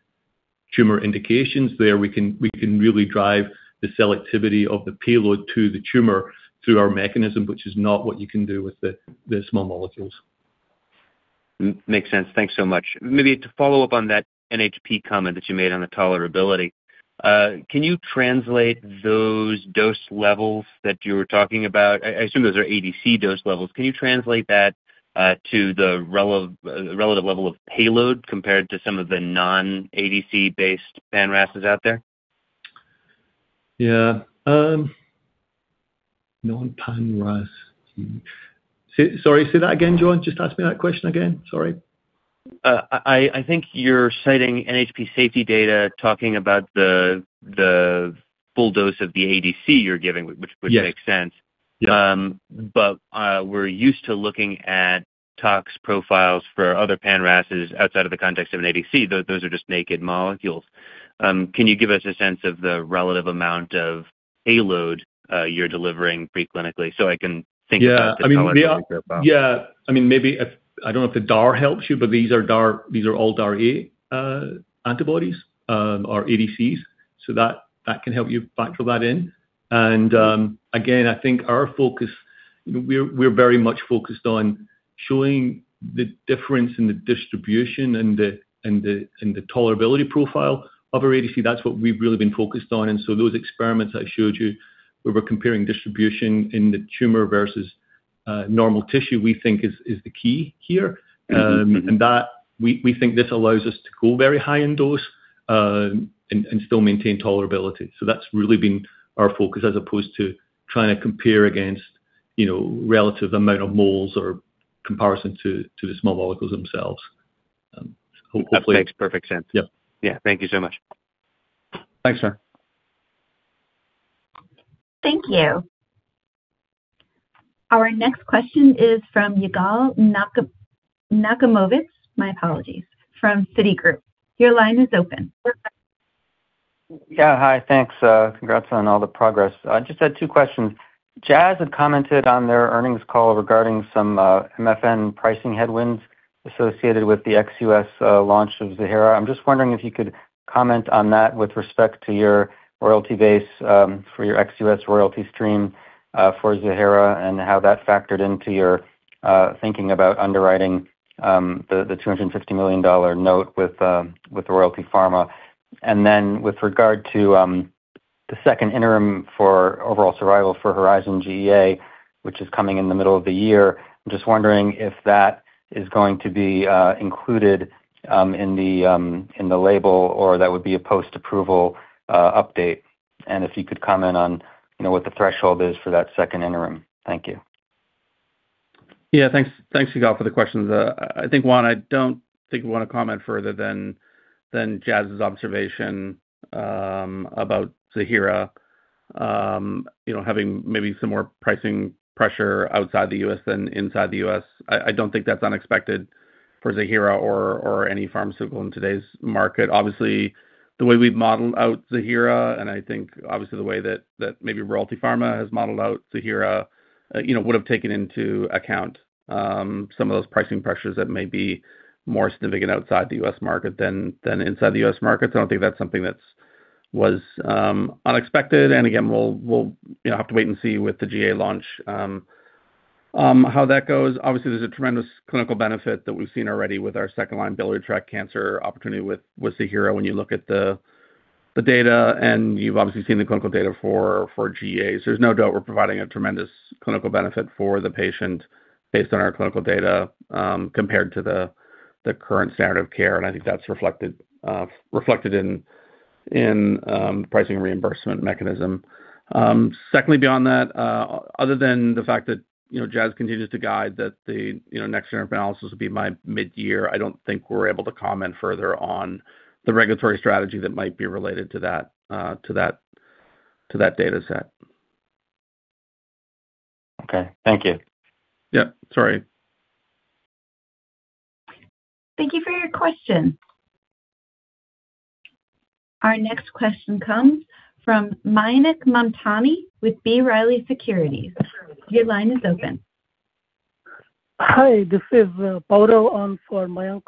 tumor indications. There we can really drive the selectivity of the payload to the tumor through our mechanism, which is not what you can do with the small molecules. Makes sense. Thanks so much. Maybe to follow up on that NHP comment that you made on the tolerability, can you translate those dose levels that you were talking about? I assume those are ADC dose levels. Can you translate that to the relative level of payload compared to some of the non-ADC based pan-RASs out there? Yeah. non-pan-RAS. Sorry, say that again, John. Just ask me that question again. Sorry. I think you're citing NHP safety data talking about the full dose of the ADC you're giving, which makes sense. Yes. Yeah. We're used to looking at tox profiles for other pan-RASs outside of the context of an ADC, those are just naked molecules. Can you give us a sense of the relative amount of payload, you're delivering pre-clinically so I can think about the tolerability profile? I mean, maybe I don't know if the DAR helps you, but these are DAR 8 antibodies or ADCs. That can help you factor that in. Again, I think we're very much focused on showing the difference in the distribution and the tolerability profile of our ADC. That's what we've really been focused on. Those experiments I showed you, where we're comparing distribution in the tumor versus normal tissue, we think is the key here. That we think this allows us to go very high in dose, and still maintain tolerability. That's really been our focus as opposed to trying to compare against, you know, relative amount of moles or comparison to the small molecules themselves. That makes perfect sense. Yep. Yeah. Thank you so much. Thanks, sir. Thank you. Our next question is from Yigal Nochomovitz, my apologies, from Citigroup. Your line is open. Yeah. Hi. Thanks. Congrats on all the progress. I just had two questions. Jazz had commented on their earnings call regarding some MFN pricing headwinds associated with the ex-U.S. launch of Ziihera. I'm just wondering if you could comment on that with respect to your royalty base for your ex-U.S. royalty stream for Ziihera and how that factored into your thinking about underwriting the $250 million note with Royalty Pharma. With regard to the second interim for overall survival for HERIZON-GEA, which is coming in the middle of the year, I'm just wondering if that is going to be included in the label or that would be a post-approval update. If you could comment on, you know, what the threshold is for that second interim. Thank you. Thanks, Yigal, for the questions. I think, one, I don't think we wanna comment further than Jazz's observation about Ziihera, you know, having maybe some more pricing pressure outside the U.S. than inside the U.S. I don't think that's unexpected for Ziihera or any pharmaceutical in today's market. Obviously, the way we've modeled out Ziihera, and I think obviously the way that maybe Royalty Pharma has modeled out Ziihera, you know, would have taken into account some of those pricing pressures that may be more significant outside the U.S. market than inside the U.S. market. I don't think that's something that's unexpected. Again, we'll, you know, have to wait and see with the GEA launch, how that goes, obviously, there's a tremendous clinical benefit that we've seen already with our second-line biliary tract cancer opportunity with Ziihera when you look at the data, and you've obviously seen the clinical data for GEA. There's no doubt we're providing a tremendous clinical benefit for the patient based on our clinical data, compared to the current standard of care, I think that's reflected in pricing reimbursement mechanism. Secondly, beyond that, other than the fact that, you know, Jazz continues to guide that the, you know, next interim analysis will be by mid-year, I don't think we're able to comment further on the regulatory strategy that might be related to that data set. Thank you. Yeah, sorry. Thank you for your question. Our next question comes from Mayank Mamtani with B. Riley Securities. Your line is open. Hi, this is Paulo on for Mayank.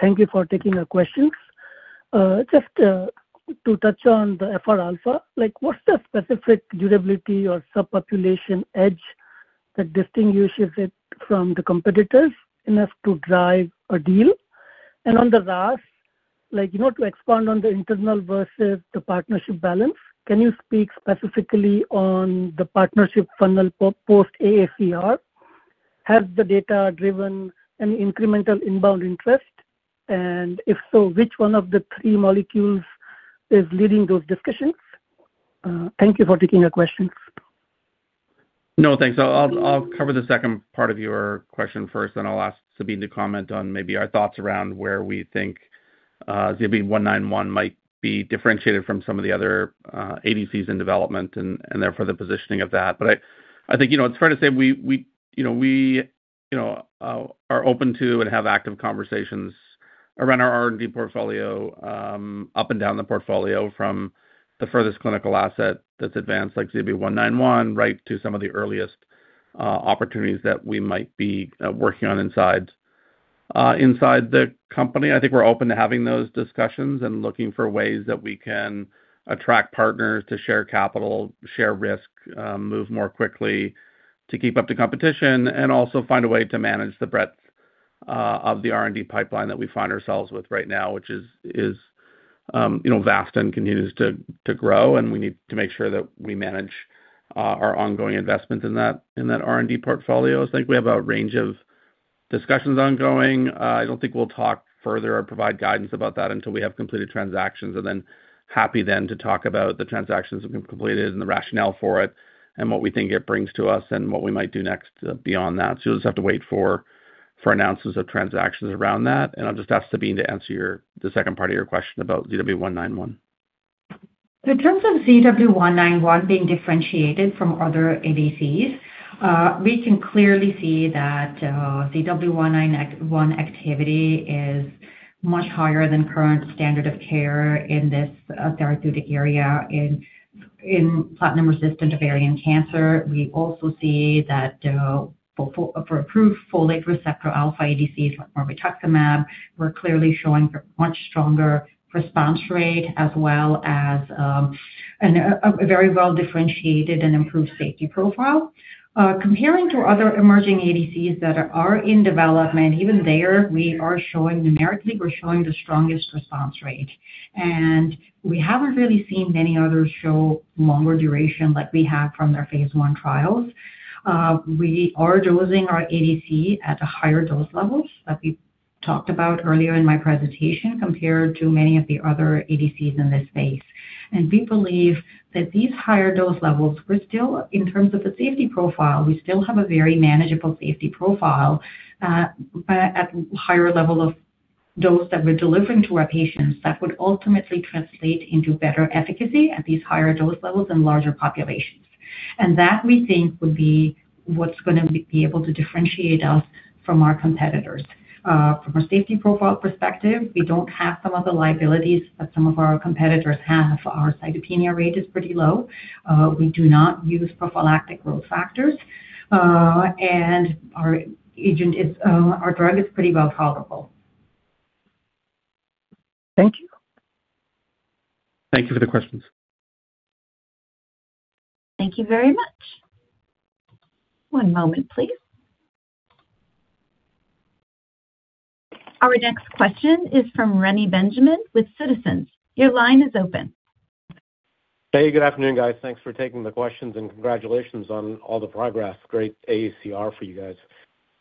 Thank you for taking our questions. Just to touch on the FRα, like, what's the specific durability or subpopulation edge that distinguishes it from the competitors enough to drive a deal? On the RAS, like, you know, to expand on the internal versus the partnership balance, can you speak specifically on the partnership funnel post-AACR? Has the data driven any incremental inbound interest? If so, which one of the three molecules is leading those discussions? Thank you for taking our questions. No, thanks. I'll cover the second part of your question first, then I'll ask Sabeen to comment on maybe our thoughts around where we think ZW191 might be differentiated from some of the other ADCs in development and therefore the positioning of that. I think, you know, it's fair to say we, you know, we, you know, are open to and have active conversations around our R&D portfolio up and down the portfolio from the furthest clinical asset that's advanced, like ZW191, right to some of the earliest opportunities that we might be working on inside the company. I think we're open to having those discussions and looking for ways that we can attract partners to share capital, share risk, move more quickly to keep up the competition and also find a way to manage the breadth of the R&D pipeline that we find ourselves with right now, which is, you know, vast and continues to grow, and we need to make sure that we manage our ongoing investments in that, in that R&D portfolio. I think we have a range of discussions ongoing. I don't think we'll talk further or provide guidance about that until we have completed transactions, and then happy then to talk about the transactions that have been completed and the rationale for it and what we think it brings to us and what we might do next beyond that. You'll just have to wait for announcements of transactions around that. I'll just ask Sabeen to answer the second part of your question about ZW191. In terms of ZW191 being differentiated from other ADCs, we can clearly see that ZW191 activity is much higher than current standard of care in this therapeutic area in platinum-resistant ovarian cancer. We also see that for approved folate receptor alpha ADCs like mirvetuximab soravtansine, we're clearly showing much stronger response rate as well as a very well-differentiated and improved safety profile. Comparing to other emerging ADCs that are in development, even there, numerically, we're showing the strongest response rate. We haven't really seen many others show longer duration like we have from their phase I trials. We are dosing our ADC at higher dose levels, like we talked about earlier in my presentation, compared to many of the other ADCs in this space. We believe that these higher dose levels, in terms of the safety profile, we still have a very manageable safety profile, but at higher level of dose that we're delivering to our patients that would ultimately translate into better efficacy at these higher dose levels in larger populations. That we think would be what's gonna be able to differentiate us from our competitors. From a safety profile perspective, we don't have some of the liabilities that some of our competitors have. Our cytopenia rate is pretty low. We do not use prophylactic growth factors. Our agent is, our drug is pretty well tolerable. Thank you. Thank you for the questions. Thank you very much. One moment, please. Our next question is from Reni Benjamin with Citizens. Your line is open. Hey, good afternoon, guys. Thanks for taking the questions, and congratulations on all the progress. Great AACR for you guys.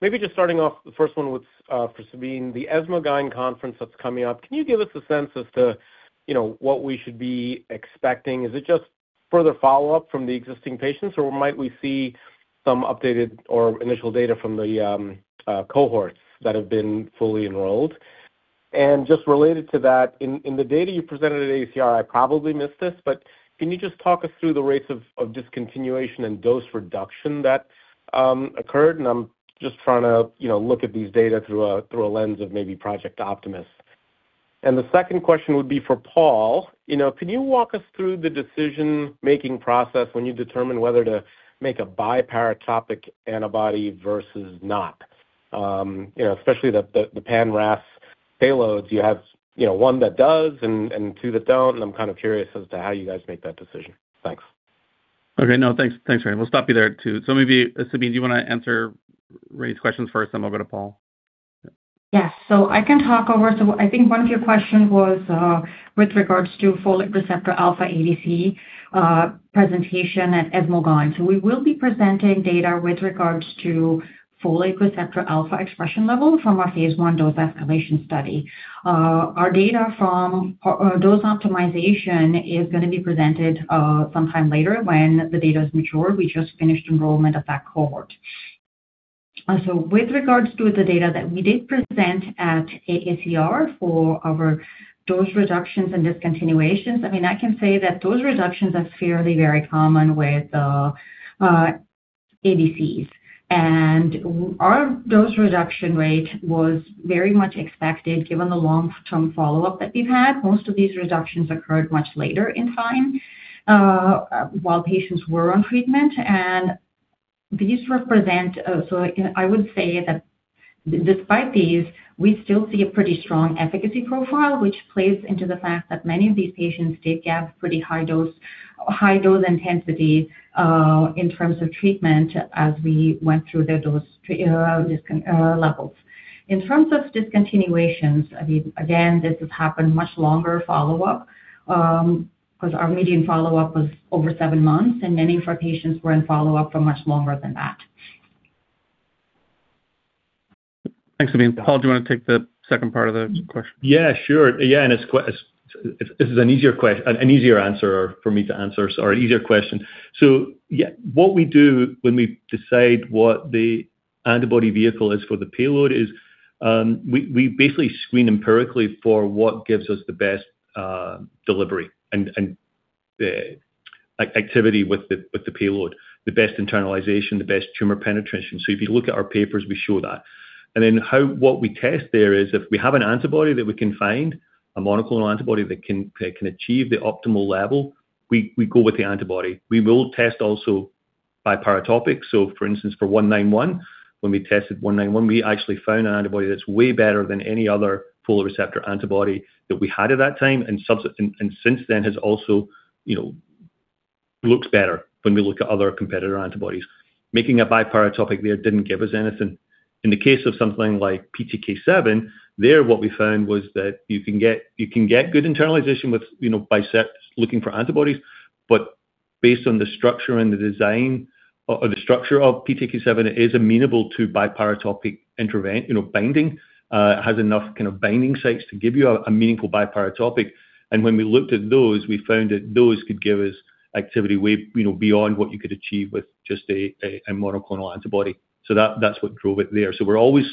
Maybe just starting off, the first one was for Sabeen. The ESMO Gynae conference that's coming up, can you give us a sense as to, you know, what we should be expecting? Is it just further follow-up from the existing patients, or might we see some updated or initial data from the cohorts that have been fully enrolled? Just related to that, in the data you presented at AACR, I probably missed this, but can you just talk us through the rates of discontinuation and dose reduction that occurred? I'm just trying to, you know, look at these data through a lens of maybe Project Optimus. The second question would be for Paul. You know, can you walk us through the decision-making process when you determine whether to make a biparatopic antibody versus not? You know, especially the pan-RAS payloads, you have, you know, one that does and two that don't. I'm kind of curious as to how you guys make that decision. Thanks. Okay. No, thanks, Reni. We'll stop you there too. Maybe, Sabeen, do you wanna answer Reni's questions first, then we'll go to Paul? Yes. I think one of your questions was with regards to folate receptor alpha ADC presentation at ESMO Gynae. We will be presenting data with regards to folate receptor alpha expression level from our phase I dose escalation study. Our data from dose optimization is gonna be presented sometime later when the data is mature. We just finished enrollment of that cohort. With regards to the data that we did present at AACR for our dose reductions and discontinuations, I mean, I can say that those reductions are fairly very common with ADCs. Our dose reduction rate was very much expected given the long-term follow-up that we've had. Most of these reductions occurred much later in time while patients were on treatment. These represent. I would say that despite these, we still see a pretty strong efficacy profile, which plays into the fact that many of these patients did get pretty high dose intensity in terms of treatment as we went through their discontinuation levels. In terms of discontinuations, I mean, again, this has happened much longer follow-up, 'cause our median follow-up was over seven months, and many of our patients were in follow-up for much longer than that. Thanks, Sabeen. Paul, do you want to take the second part of the question? Sure. It is an easier answer for me to answer, or easier question. What we do when we decide what the antibody vehicle is for the payload is, we basically screen empirically for what gives us the best delivery and activity with the payload, the best internalization, the best tumor penetration. If you look at our papers, we show that. What we test there is if we have an antibody that we can find, a monoclonal antibody that can achieve the optimal level, we go with the antibody. We will test also biparatopic. For instance, for ZW191, when we tested ZW191, we actually found an antibody that's way better than any other FRα antibody that we had at that time, and since then has also, you know, looks better when we look at other competitor antibodies. Making a biparatopic there didn't give us anything. In the case of something like PTK7, there, what we found was that you can get good internalization with, you know, bispecific looking for antibodies. Based on the structure and the design or the structure of PTK7, it is amenable to biparatopic intervention, you know, binding. It has enough kind of binding sites to give you a meaningful biparatopic. When we looked at those, we found that those could give us activity way, you know, beyond what you could achieve with just a monoclonal antibody. That's what drove it there. We're always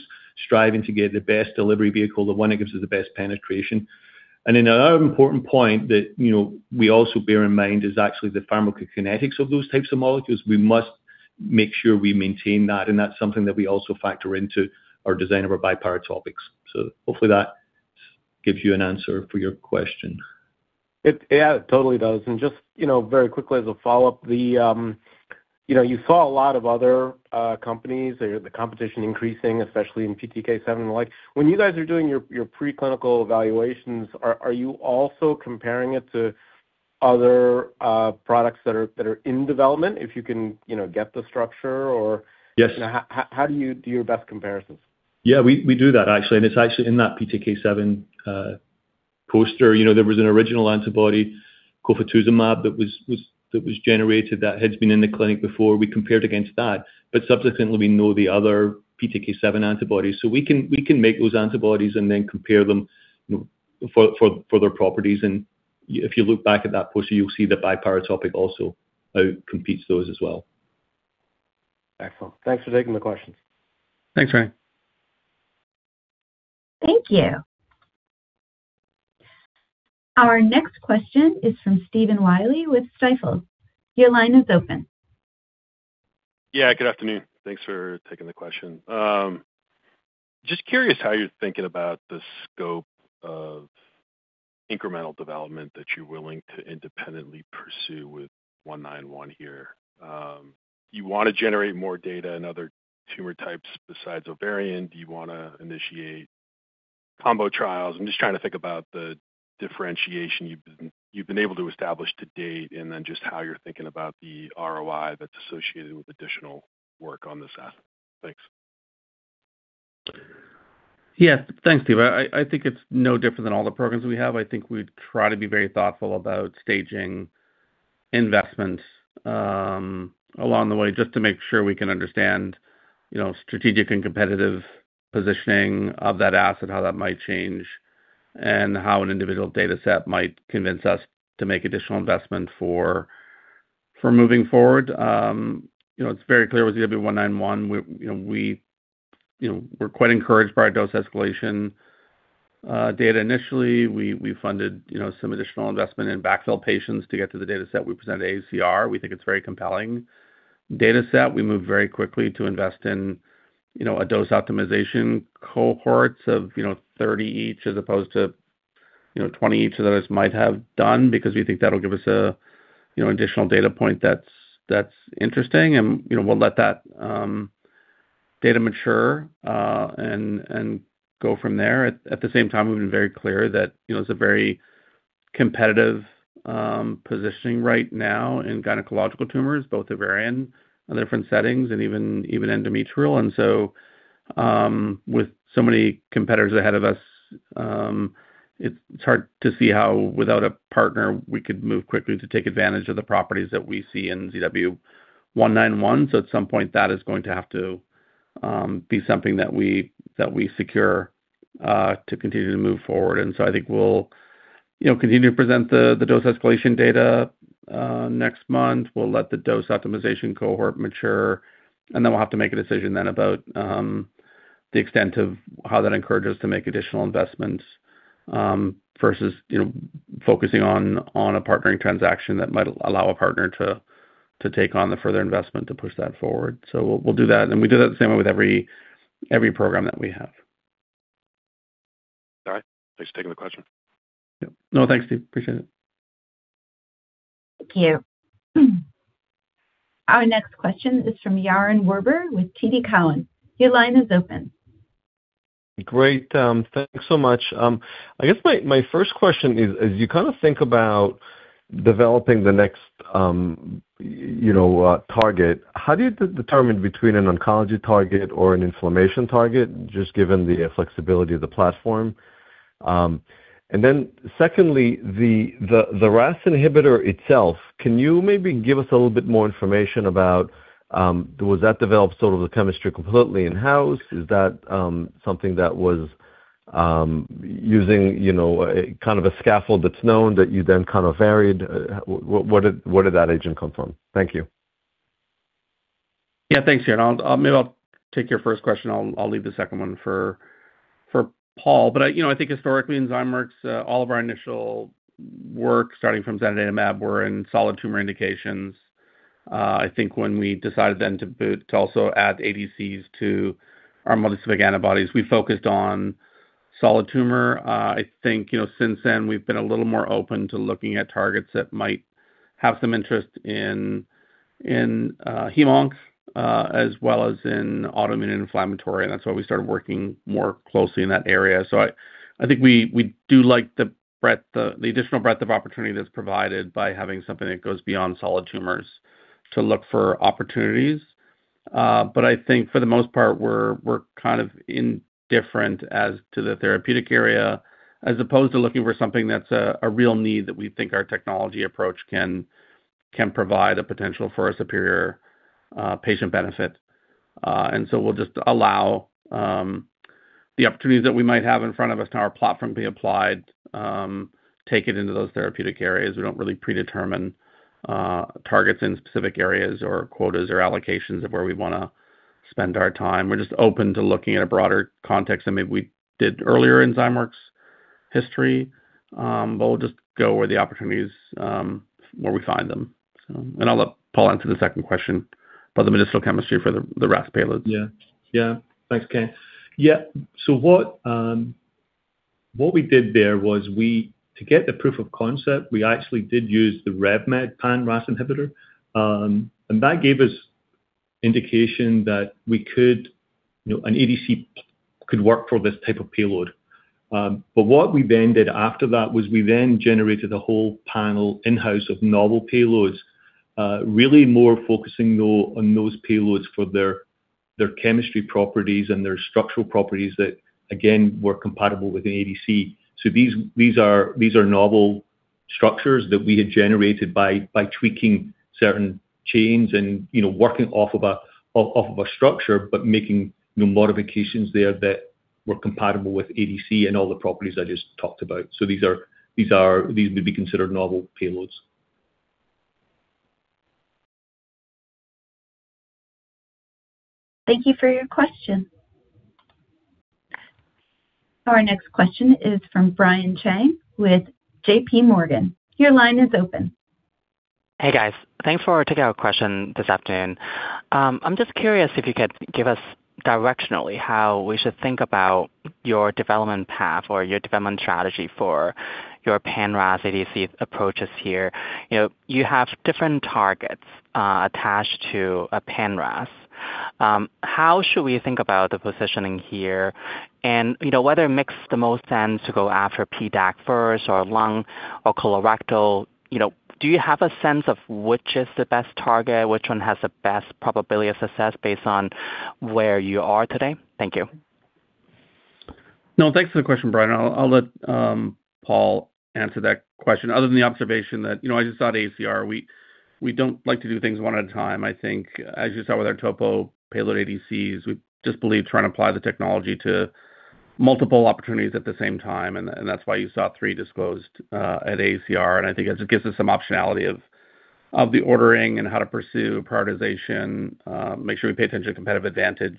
striving to get the best delivery vehicle, the one that gives us the best penetration. Then another important point that, you know, we also bear in mind is actually the pharmacokinetics of those types of molecules. We must make sure we maintain that, and that's something that we also factor into our design of our biparatopics. Hopefully that gives you an answer for your question. Yeah, it totally does. Just, you know, very quickly as a follow-up, you know, you saw a lot of other companies or the competition increasing, especially in PTK7 and the like. When you guys are doing your preclinical evaluations, are you also comparing it to other products that are in development, if you can, you know, get the structure? Yes. You know, how do you do your best comparisons? Yeah, we do that actually, and it's actually in that PTK7 poster. You know, there was an original antibody, cofetuzumab, that was generated that has been in the clinic before. We compared against that. Subsequently, we know the other PTK7 antibodies. We can make those antibodies and then compare them, you know, for their properties. If you look back at that poster, you'll see the biparatopic also competes those as well. Excellent. Thanks for taking the questions. Thanks, Reni. Thank you. Our next question is from Stephen Willey with Stifel. Your line is open. Yeah, good afternoon. Thanks for taking the question. Just curious how you're thinking about the scope of incremental development that you're willing to independently pursue with ZW191 here. Do you wanna generate more data in other tumor types besides ovarian? Do you wanna initiate combo trials? I'm just trying to think about the differentiation you've been able to establish to date, and then just how you're thinking about the ROI that's associated with additional work on this asset. Thanks. Yeah. Thanks, Stephen. I think it's no different than all the programs we have. I think we try to be very thoughtful about staging investments along the way just to make sure we can understand, you know, strategic and competitive positioning of that asset, how that might change, and how an individual dataset might convince us to make additional investment for moving forward. You know, it's very clear with ZW191, we, you know, we're quite encouraged by our dose escalation data initially. We funded, you know, some additional investment in backfill patients to get to the dataset we present at AACR. We think it's very compelling dataset. We moved very quickly to invest in, you know, a dose optimization cohorts of, you know, 30 each as opposed to, you know, 20 each of those might have done because we think that'll give us a, you know, additional data point that's interesting and, you know, we'll let that data mature and go from there. At the same time, we've been very clear that, you know, it's a very competitive positioning right now in gynecological tumors, both ovarian in different settings and even endometrial. With so many competitors ahead of us, it's hard to see how, without a partner, we could move quickly to take advantage of the properties that we see in ZW191. At some point, that is going to have to be something that we, that we secure to continue to move forward. I think we'll, you know, continue to present the dose escalation data next month. We'll let the dose optimization cohort mature, and then we'll have to make a decision then about the extent of how that encourages to make additional investments versus, you know, focusing on a partnering transaction that might allow a partner to take on the further investment to push that forward. We'll do that, and we do that the same way with every program that we have. All right. Thanks for taking the question. Yeah. No, thanks, Stephen. Appreciate it. Thank you. Our next question is from Yaron Werber with TD Cowen. Your line is open. Great. Thanks so much. I guess my first question is, as you kind of think about developing the next, you know, target, how do you determine between an oncology target or an inflammation target, just given the flexibility of the platform? Secondly, the RAS inhibitor itself, can you maybe give us a little bit more information about, was that developed sort of the chemistry completely in-house? Is that something that was using, you know, a kind of a scaffold that's known that you then kind of varied? Where did that agent come from? Thank you. Yeah, thanks, Yaron. I'll maybe I'll take your first question. I'll leave the second one for Paul. I, you know, I think historically in Zymeworks, all of our initial work starting from zanidatamab were in solid tumor indications. I think when we decided to also add ADCs to our multispecific antibodies, we focused on solid tumor. I think, you know, since then, we've been a little more open to looking at targets that might have some interest in heme-onc, as well as in autoimmune inflammatory, and that's why we started working more closely in that area. I think we do like the breadth, the additional breadth of opportunity that's provided by having something that goes beyond solid tumors to look for opportunities. I think for the most part, we're kind of indifferent as to the therapeutic area, as opposed to looking for something that's a real need that we think our technology approach can provide a potential for a superior patient benefit. We'll just allow the opportunities that we might have in front of us in our platform be applied, taken into those therapeutic areas. We don't really predetermine targets in specific areas or quotas or allocations of where we wanna spend our time. We're just open to looking at a broader context than maybe we did earlier in Zymeworks' history. We'll just go where the opportunities where we find them. I'll let Paul answer the second question about the medicinal chemistry for the RAS payload. Yeah. Yeah. Thanks, Ken. Yeah. What we did there was to get the proof of concept, we actually did use the RevMed pan-RAS inhibitor. That gave us indication that we could, you know, an ADC could work for this type of payload. What we then did after that was we then generated a whole panel in-house of novel payloads, really more focusing though on those payloads for their chemistry properties and their structural properties that, again, were compatible with the ADC. These are novel structures that we had generated by tweaking certain chains and, you know, working off of a structure, but making new modifications there that were compatible with ADC and all the properties I just talked about. These would be considered novel payloads. Thank you for your question. Our next question is from Brian Cheng with JPMorgan. Your line is open. Hey, guys. Thanks for taking our question this afternoon. I'm just curious if you could give us directionally how we should think about your development path or your development strategy for your pan-RAS ADC approaches here. You know, you have different targets attached to a pan-RAS. How should we think about the positioning here? You know, whether it makes the most sense to go after PDAC first or lung or colorectal, you know, do you have a sense of which is the best target, which one has the best probability of success based on where you are today? Thank you. No, thanks for the question, Brian. I'll let Paul answer that question, other than the observation that, you know, I just thought AACR, we don't like to do things one at a time. I think as you saw with our TOPO1i payload ADCs, we just believe trying to apply the technology to multiple opportunities at the same time, and that's why you saw three disclosed at AACR. I think it gives us some optionality of the ordering and how to pursue prioritization, make sure we pay attention to competitive advantage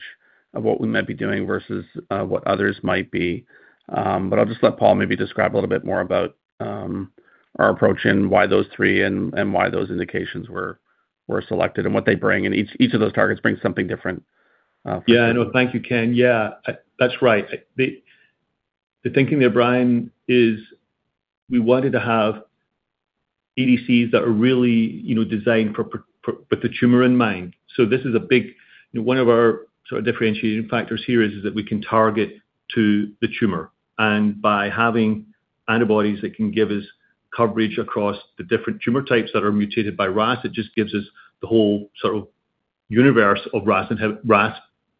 of what we might be doing versus what others might be. I'll just let Paul maybe describe a little bit more about our approach and why those three and why those indications were selected and what they bring, and each of those targets brings something different. Thank you, Ken. Yeah, that's right. The thinking there, Brian, is we wanted to have ADCs that are really, you know, designed with the tumor in mind. This is a big, you know, one of our sort of differentiating factors here is that we can target to the tumor. By having antibodies that can give us coverage across the different tumor types that are mutated by RAS, it just gives us the whole sort of universe of RAS and have RAS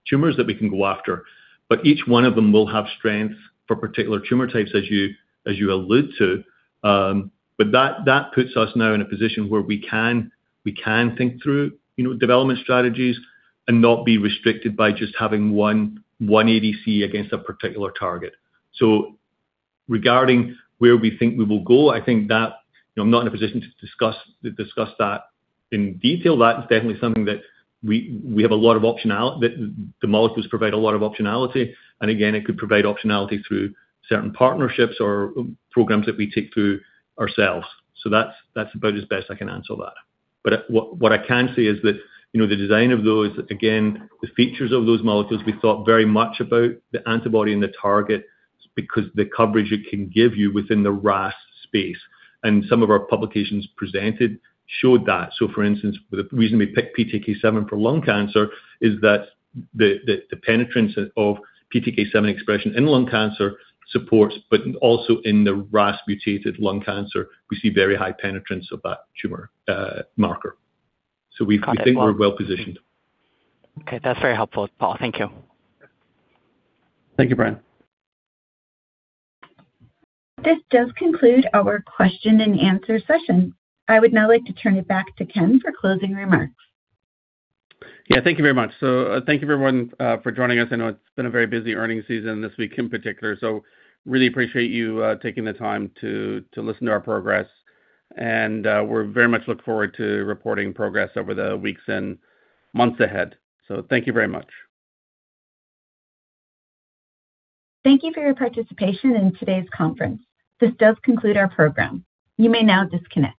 tumors that we can go after. Each one of them will have strength for particular tumor types, as you allude to. That puts us now in a position where we can think through, you know, development strategies and not be restricted by just having one ADC against a particular target. Regarding where we think we will go, I think that, you know, I'm not in a position to discuss that in detail. That is definitely something that the molecules provide a lot of optionality, and again, it could provide optionality through certain partnerships or programs that we take through ourselves. That's about as best I can answer that. What I can say is that, you know, the design of those, again, the features of those molecules, we thought very much about the antibody and the target because the coverage it can give you within the RAS space. Some of our publications presented showed that. For instance, the reason we picked PTK7 for lung cancer is that the penetrance of PTK7 expression in lung cancer supports, but also in the RAS mutated lung cancer, we see very high penetrance of that tumor marker. We think we're well-positioned. Okay. That's very helpful, Paul. Thank you. Thank you, Brian. This does conclude our question and answer session. I would now like to turn it back to Ken for closing remarks. Thank you very much. Thank you everyone for joining us. I know it's been a very busy earnings season this week in particular, so really appreciate you taking the time to listen to our progress. We very much look forward to reporting progress over the weeks and months ahead. Thank you very much. Thank you for your participation in today's conference. This does conclude our program. You may now disconnect.